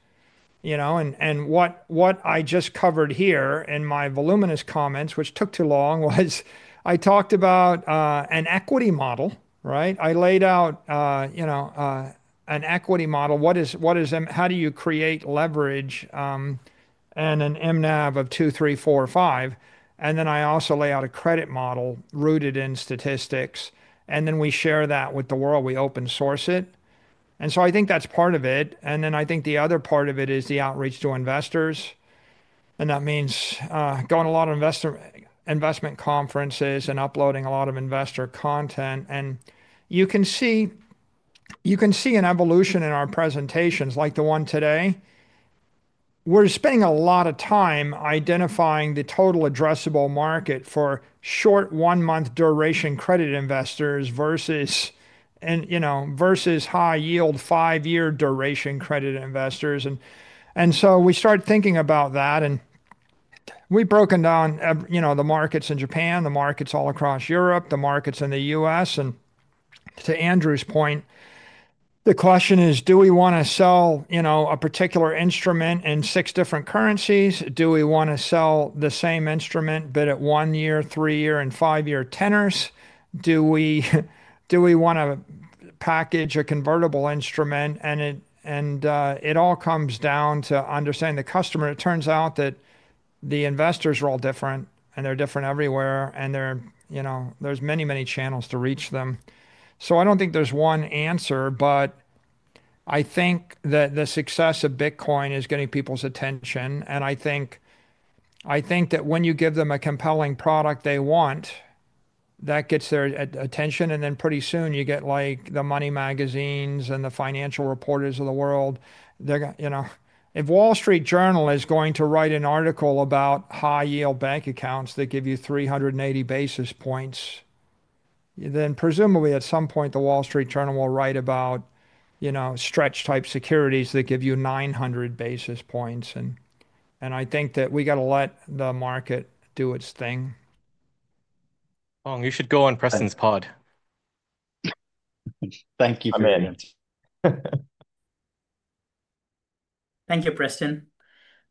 What I just covered here in my voluminous comments, which took too long, was I talked about an equity model. I laid out an equity model. What is, what is, how do you create leverage and an NAV of 2, 3, 4, 5. I also lay out a credit model rooted in statistics and then we share that with the world, we open source it. I think that's part of it. I think the other part of it is the outreach to investors. That means going to a lot of investment conferences and uploading a lot of investor content. You can see an evolution in our presentations like the one today. We're spending a lot of time identifying the total addressable market for short one month duration credit investors versus high yield five year duration credit investors. We start thinking about that and we've broken down the markets in Japan, the markets all across Europe, the markets in the U.S., and to Andrew's point, the question is do we want to sell a particular instrument in six different currencies? Do we want to sell the same instrument bid at 1 year, 3 year, and 5 year tenors? Do we want to package a convertible instrument? It all comes down to understanding the customer. It turns out that the investors are all different and they're different everywhere and there are many, many channels to reach them. I don't think there's one answer. I think that the success of Bitcoin is getting people's attention. I think that when you give them a compelling product they want, that gets their attention. Pretty soon you get the money magazines and the financial reporters of the world. If The Wall Street Journal is going to write an article about high-yield bank accounts that give you 380 bps, then presumably at some point The Wall Street Journal will write about STRD-type securities that give you 900 bps. I think that we gotta let the market do its thing. You should go on Preston's pod. Thank you. Thank you, Preston.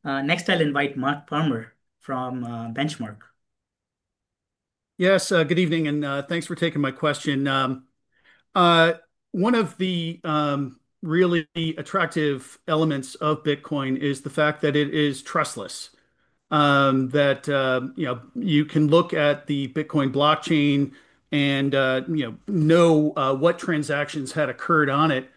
Next, I'll invite Mark Palmer from Benchmark. Yes, good evening and thanks for taking my question. One of the really attractive elements of Bitcoin is the fact that it is trustless, that you can look at the Bitcoin blockchain and know what transactions had occurred on it.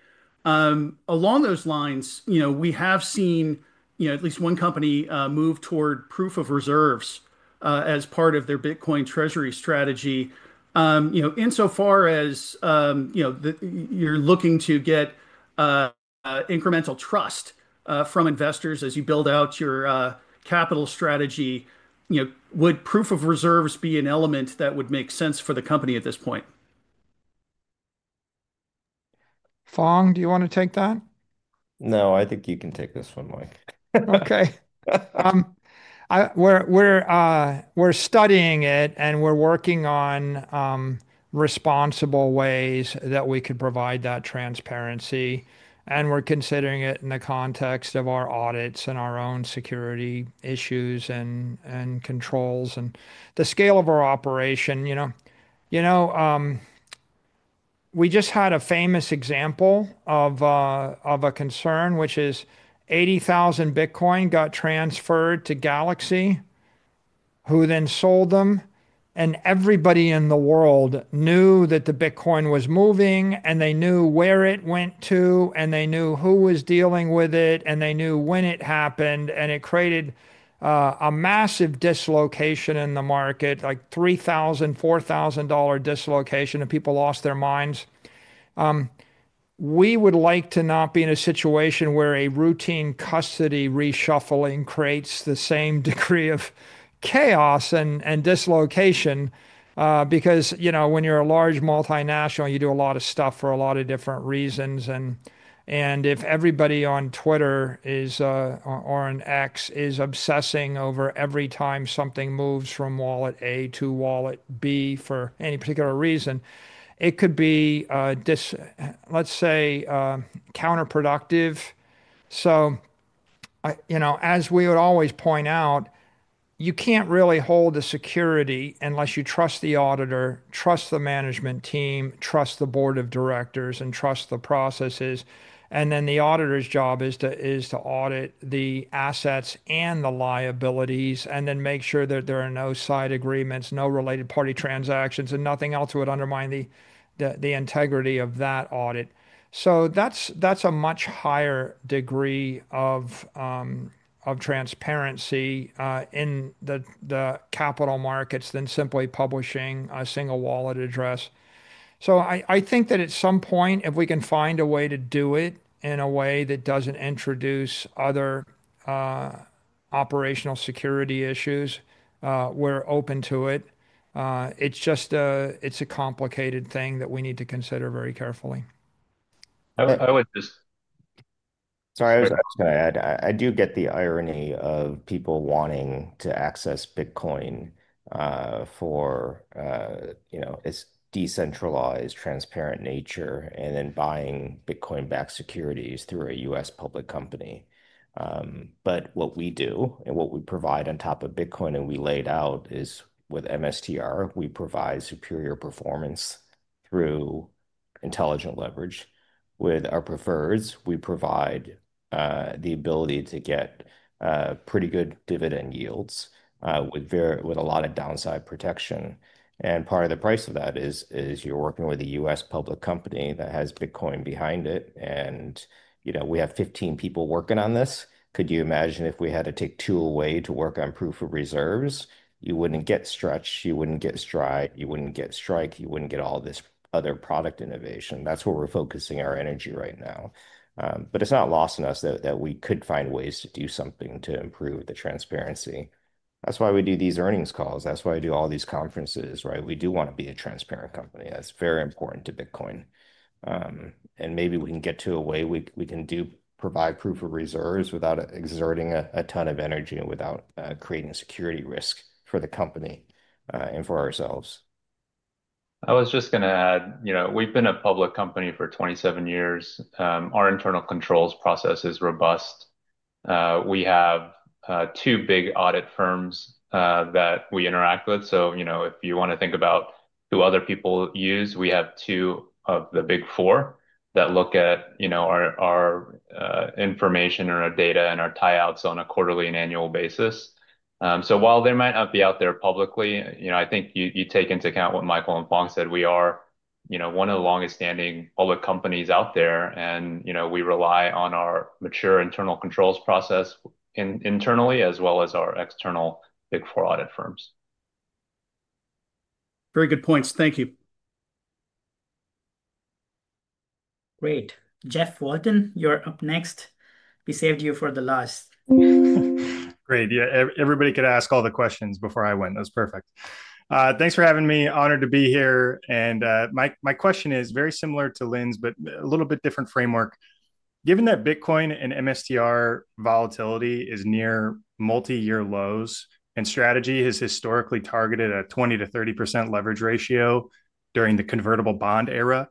Along those lines, we have seen at. least one company moved toward proof of. Reserves as part of their Bitcoin treasury strategy. Insofar as you're looking to get incremental. Trust from investors as you build out. Your capital strategy, you know, would proof of reserves be an element that would? Make sense for the company at this point? Phong, do you want to take that? No, I think you can take this one, Mike. Okay. We're studying it and we're working on responsible ways that we could provide that transparency. We're considering it in the context of our audits and our own security issues and controls and the scale of our operation. We just had a famous example of a concern, which is 80,000 BTC got transferred to Galaxy, who then sold them, and everybody in the world knew that the BTC was moving and they knew where it went to and they knew who was dealing with it and they knew when it happened. It created a massive dislocation in the market, like $3,000, $4,000 dislocation, and people lost their minds. We would like to not be in a situation where a routine custody reshuffling creates the same degree of chaos and dislocation. When you're a large multinational, you do a lot of stuff for a lot of different reasons. If everybody on Twitter, or on X, is obsessing over every time something moves from wallet A to wallet B for any particular reason, it could be, let's say, counterproductive. As we would always point out, you can't really hold the security unless you trust the auditor, trust the management team, trust the board of directors, and trust the processes. The auditor's job is to audit the assets and the liabilities and then make sure that there are no side agreements, no related party transactions, and nothing else would undermine the integrity of that audit. That's a much higher degree of transparency in the capital markets than simply publishing a single wallet address. I think that at some point, if we can find a way to do it in a way that doesn't introduce other operational security issues, we're open to it. It's a complicated thing that we need to consider very carefully. I would just. Sorry. I do get the irony of people wanting to access Bitcoin for, you know, its decentralized, transparent nature and then buying Bitcoin-backed securities through a U.S. public company. What we do and what we provide on top of Bitcoin, and we laid out, is with MSTR, we provide superior performance through intelligent leverage with our preferreds. We provide the ability to get pretty good dividend yields with a lot of downside protection. Part of the price of that is you're working with a U.S. public company that has Bitcoin behind it. We have 15 people working on this. Could you imagine if we had to take two away to work on proof of reserves? You wouldn't get STRC, you wouldn't get STRD, you wouldn't get STRK, you wouldn't get all this other product innovation. That's where we're focusing our energy right now. It's not lost on us that we could find ways to do something to improve the transparency. That's why we do these earnings calls. That's why I do all these conferences. We do want to be a transparent company. That's very important to Bitcoin, and maybe we can get to a way we can provide proof of reserves without exerting a ton of energy and without creating a security risk for the company and for ourselves. I was just going to add, you know, we've been a public company for 27 years. Our internal controls process is robust. We have two big audit firms that we interact with. If you want to think about who other people use, we have two of the Big Four that look at our information or our data and our tie outs on a quarterly and annual basis. While they might not be out there publicly, I think you take into account what Michael and Phong said. We are one of the longest standing public companies out there, and we rely on our mature internal controls process internally as well as our external Big Four audit firms. Very good points. Thank you. Great. Jeff Walton, you're up next. We saved you for the last. Great. Everybody could ask all the questions before I went. That was perfect. Thanks for having me. Honored to be here. My question is very similar to Lynn's but a little bit different framework. Given that Bitcoin and MSTR volatility is near multi-year lows and Strategy has historically targeted a 20% to 30% leverage ratio during the convertible bond era,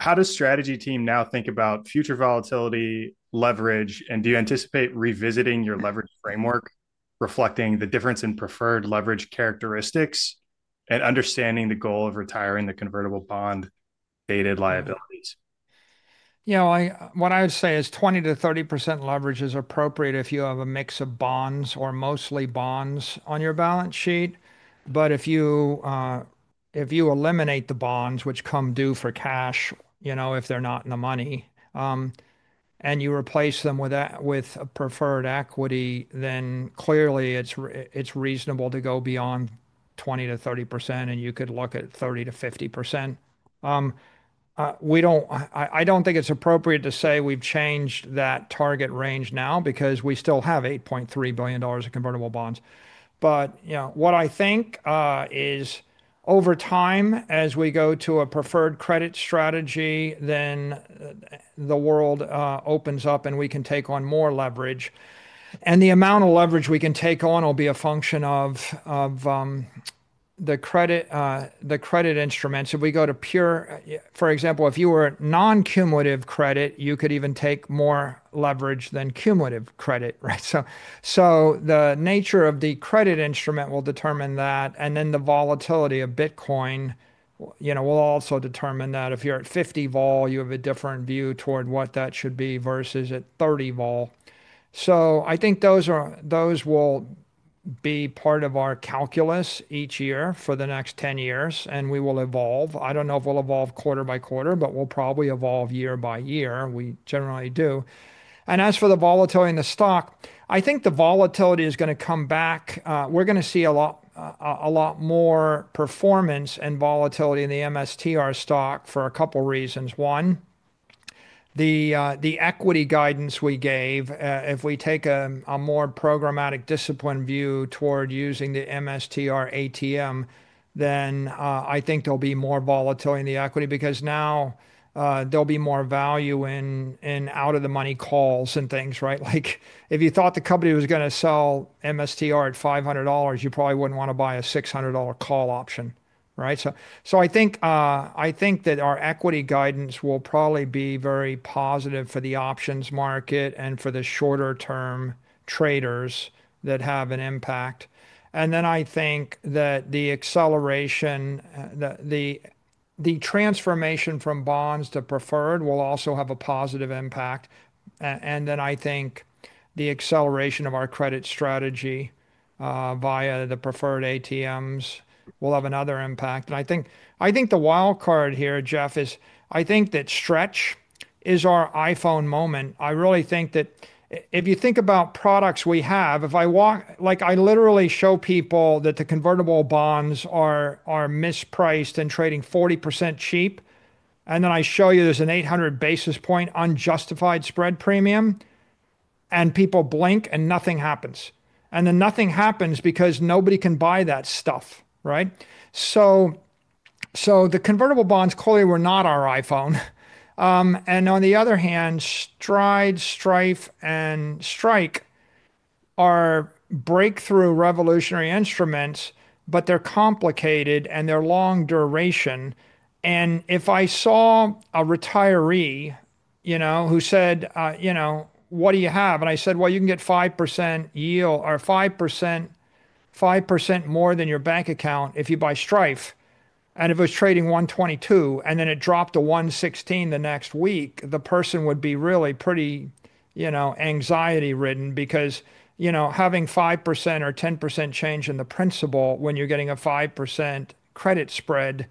how does the Strategy team now think about future volatility, leverage, and do you anticipate revisiting your leverage framework, reflecting the difference in preferred leverage characteristics and understanding the goal of retiring the convertible bond dated liabilities? Yeah, what I would say is 20 to 30% leverage is appropriate if you have a mix of bonds or mostly bonds on your balance sheet. If you eliminate the bonds which come due for cash, you know, if they're not in the money and you replace them with preferred equity, then clearly it's reasonable to go beyond 20 to 30% and you could look at 30 to 50%. I don't think it's appropriate to say we've changed that target range now because we still have $8.3 billion of convertible bonds. What I think is over time as we go to a preferred credit strategy, then the world opens up and we can take on more leverage and the amount of leverage we can take on will be a function of the credit instruments. If we go to pure, for example, if you were non-cumulative credit, you could even take more leverage than cumulative credit. Right. The nature of the credit instrument will determine that. The volatility of Bitcoin, you know, will also determine that. If you're at 50 vol, you have a different view toward what that should be versus at 30 vol. I think those will be part of our calculus each year for the next 10 years. We will evolve. I don't know if we'll evolve quarter by quarter, but will probably evolve year by year. We generally do. As for the volatility in the stock, I think the volatility is going to come back. We're going to see a lot more performance and volatility in the MSTR stock for a couple reasons. One, the equity guidance we gave, if we take a more programmatic discipline view toward using the MSTR ATM, then I think there'll be more volatility in the equity because now there'll be more value in out of the money calls and things. Right. Like if you thought the company was going to sell MSTR at $500, you probably wouldn't want to buy a $600 call option. Right. I think that our equity guidance will probably be very positive for the options market and for the shorter term traders that have an impact. I think that the acceleration, the transformation from bonds to preferred will also have a positive impact. I think the acceleration of our credit strategy via the preferred ATMs will have another impact. I think the wild card here, Jeff, is I think that stretch is our iPhone moment. I really think that if you think about products we have, if I walk, like I literally show people that the convertible bonds are mispriced and trading 40% cheap, and then I show you there's an 800 basis point unjustified spread premium and people blink and nothing happens. Nothing happens because nobody can buy that stuff, right? The convertible bonds clearly were not our iPhone. On the other hand, STRD, STRF, and STRK are breakthrough revolutionary instruments, but they're complicated and they're long duration. If I saw a retiree who said what do you have, and I said, you can get 5% yield or 5%, 5% more than your bank account if you buy STRF, and if it was trading at $122 and then it dropped to $116 the next week, the person would be really pretty, you know, anxiety ridden because, you know, having 5% or 10% change in the principal when you're getting a 5% credit spread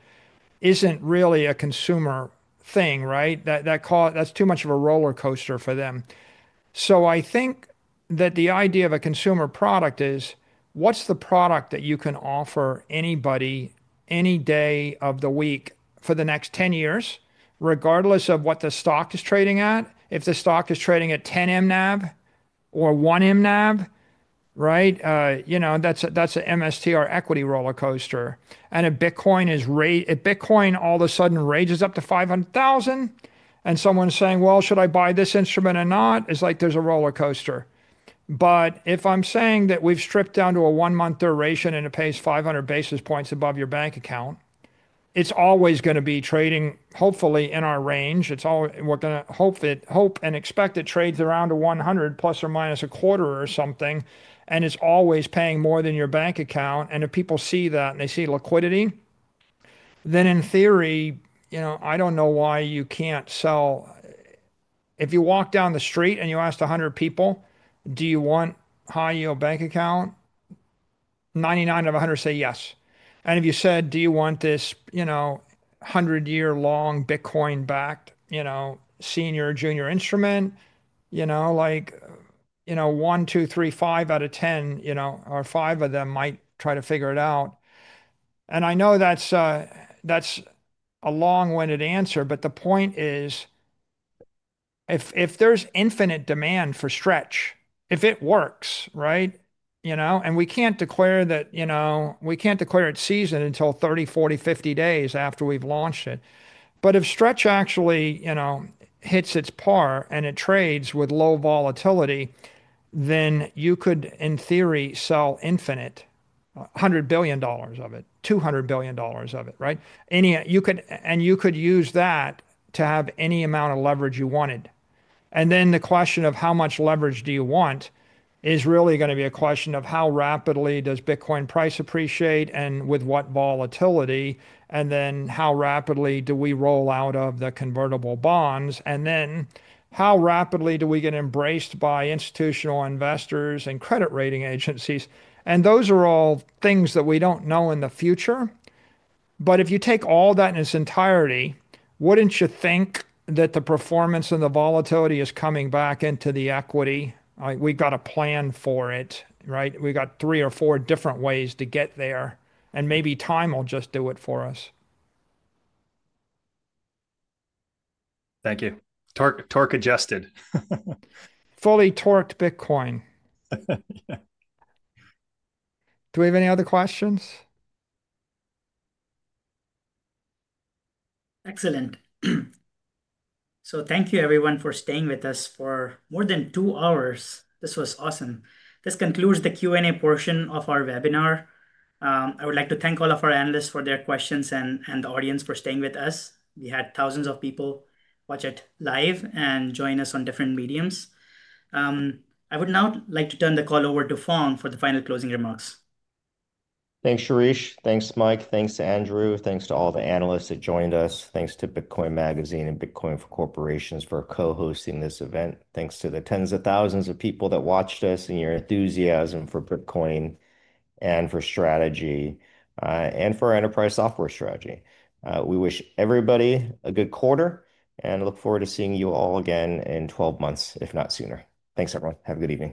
isn't really a consumer thing, right? That's too much of a roller coaster for them. I think that the idea of a consumer product is what's the product that you can offer anybody any day of the week for the next 10 years, regardless of what the stock is trading at. If the stock is trading at $10 million NAV or $1 million NAV, right, you know, that's an MSTR equity roller coaster. If Bitcoin all of a sudden rages up to $500,000 and someone's saying, should I buy this instrument or not, it's like there's a roller coaster. If I'm saying that we've stripped down to a one month duration and it pays 500 basis points above your bank account, it's always going to be trading hopefully in our range. It's all we're going to hope and expect. It trades around to $100, plus or minus a quarter or something, and it's always paying more than your bank account. If people see that and they see liquidity, then in theory, you know, I don't know why you can't sell. If you walk down the street and you asked 100 people, do you want high yield bank account, 99 of 100 say yes. If you said, do you want this 100 year long Bitcoin-backed, you know, senior junior instrument, you know, like, you know, 1, 2, 3, 5 out of 10, you know, or five of them might try to figure it out. I know that's a long winded answer, but the point is, if there's infinite demand for STRC, if it works, right? We can't declare that, you know, we can't declare it seasoned until 30, 40, 50 days after we've launched it. If STRK actually, you know, hits its par and it trades with low volatility, then you could in theory sell infinite $100 billion of it, $200 billion of it, right? You could use that to have any amount of leverage you wanted. The question of how much leverage do you want is really going to be a question of how rapidly does Bitcoin price appreciate and with what volatility? How rapidly do we roll out of the convertible bonds and how rapidly do we get embraced by institutional investors and credit rating agencies? Those are all things that we don't know in the future. If you take all that in its entirety, wouldn't you think that the performance and the volatility is coming back into the equity? We've got a plan for it, right? We got three or four different ways to get there and maybe time will just do it for us. Thank you. Torque-adjusted, fully torqued Bitcoin. Do we have any other questions? Excellent. Thank you everyone for staying with us for more than two hours. This was awesome. This concludes the Q and A portion of our webinar. I would like to thank all of our analysts for their questions and the audience for staying with us. We had thousands of people watch it live and join us on different mediums. I would now like to turn the call over to Phong for the final closing remarks. Thanks Shirish. Thanks Mike. Thanks to Andrew. Thanks to all the analysts that joined us. Thanks to Bitcoin Magazine and Bitcoin for corporations for co-hosting this event. Thanks to the tens of thousands of people that watched us and your enthusiasm for Bitcoin and for Strategy and for our enterprise software strategy. We wish everybody a good quarter and look forward to seeing you all again in 12 months, if not sooner. Thanks everyone. Have a good evening.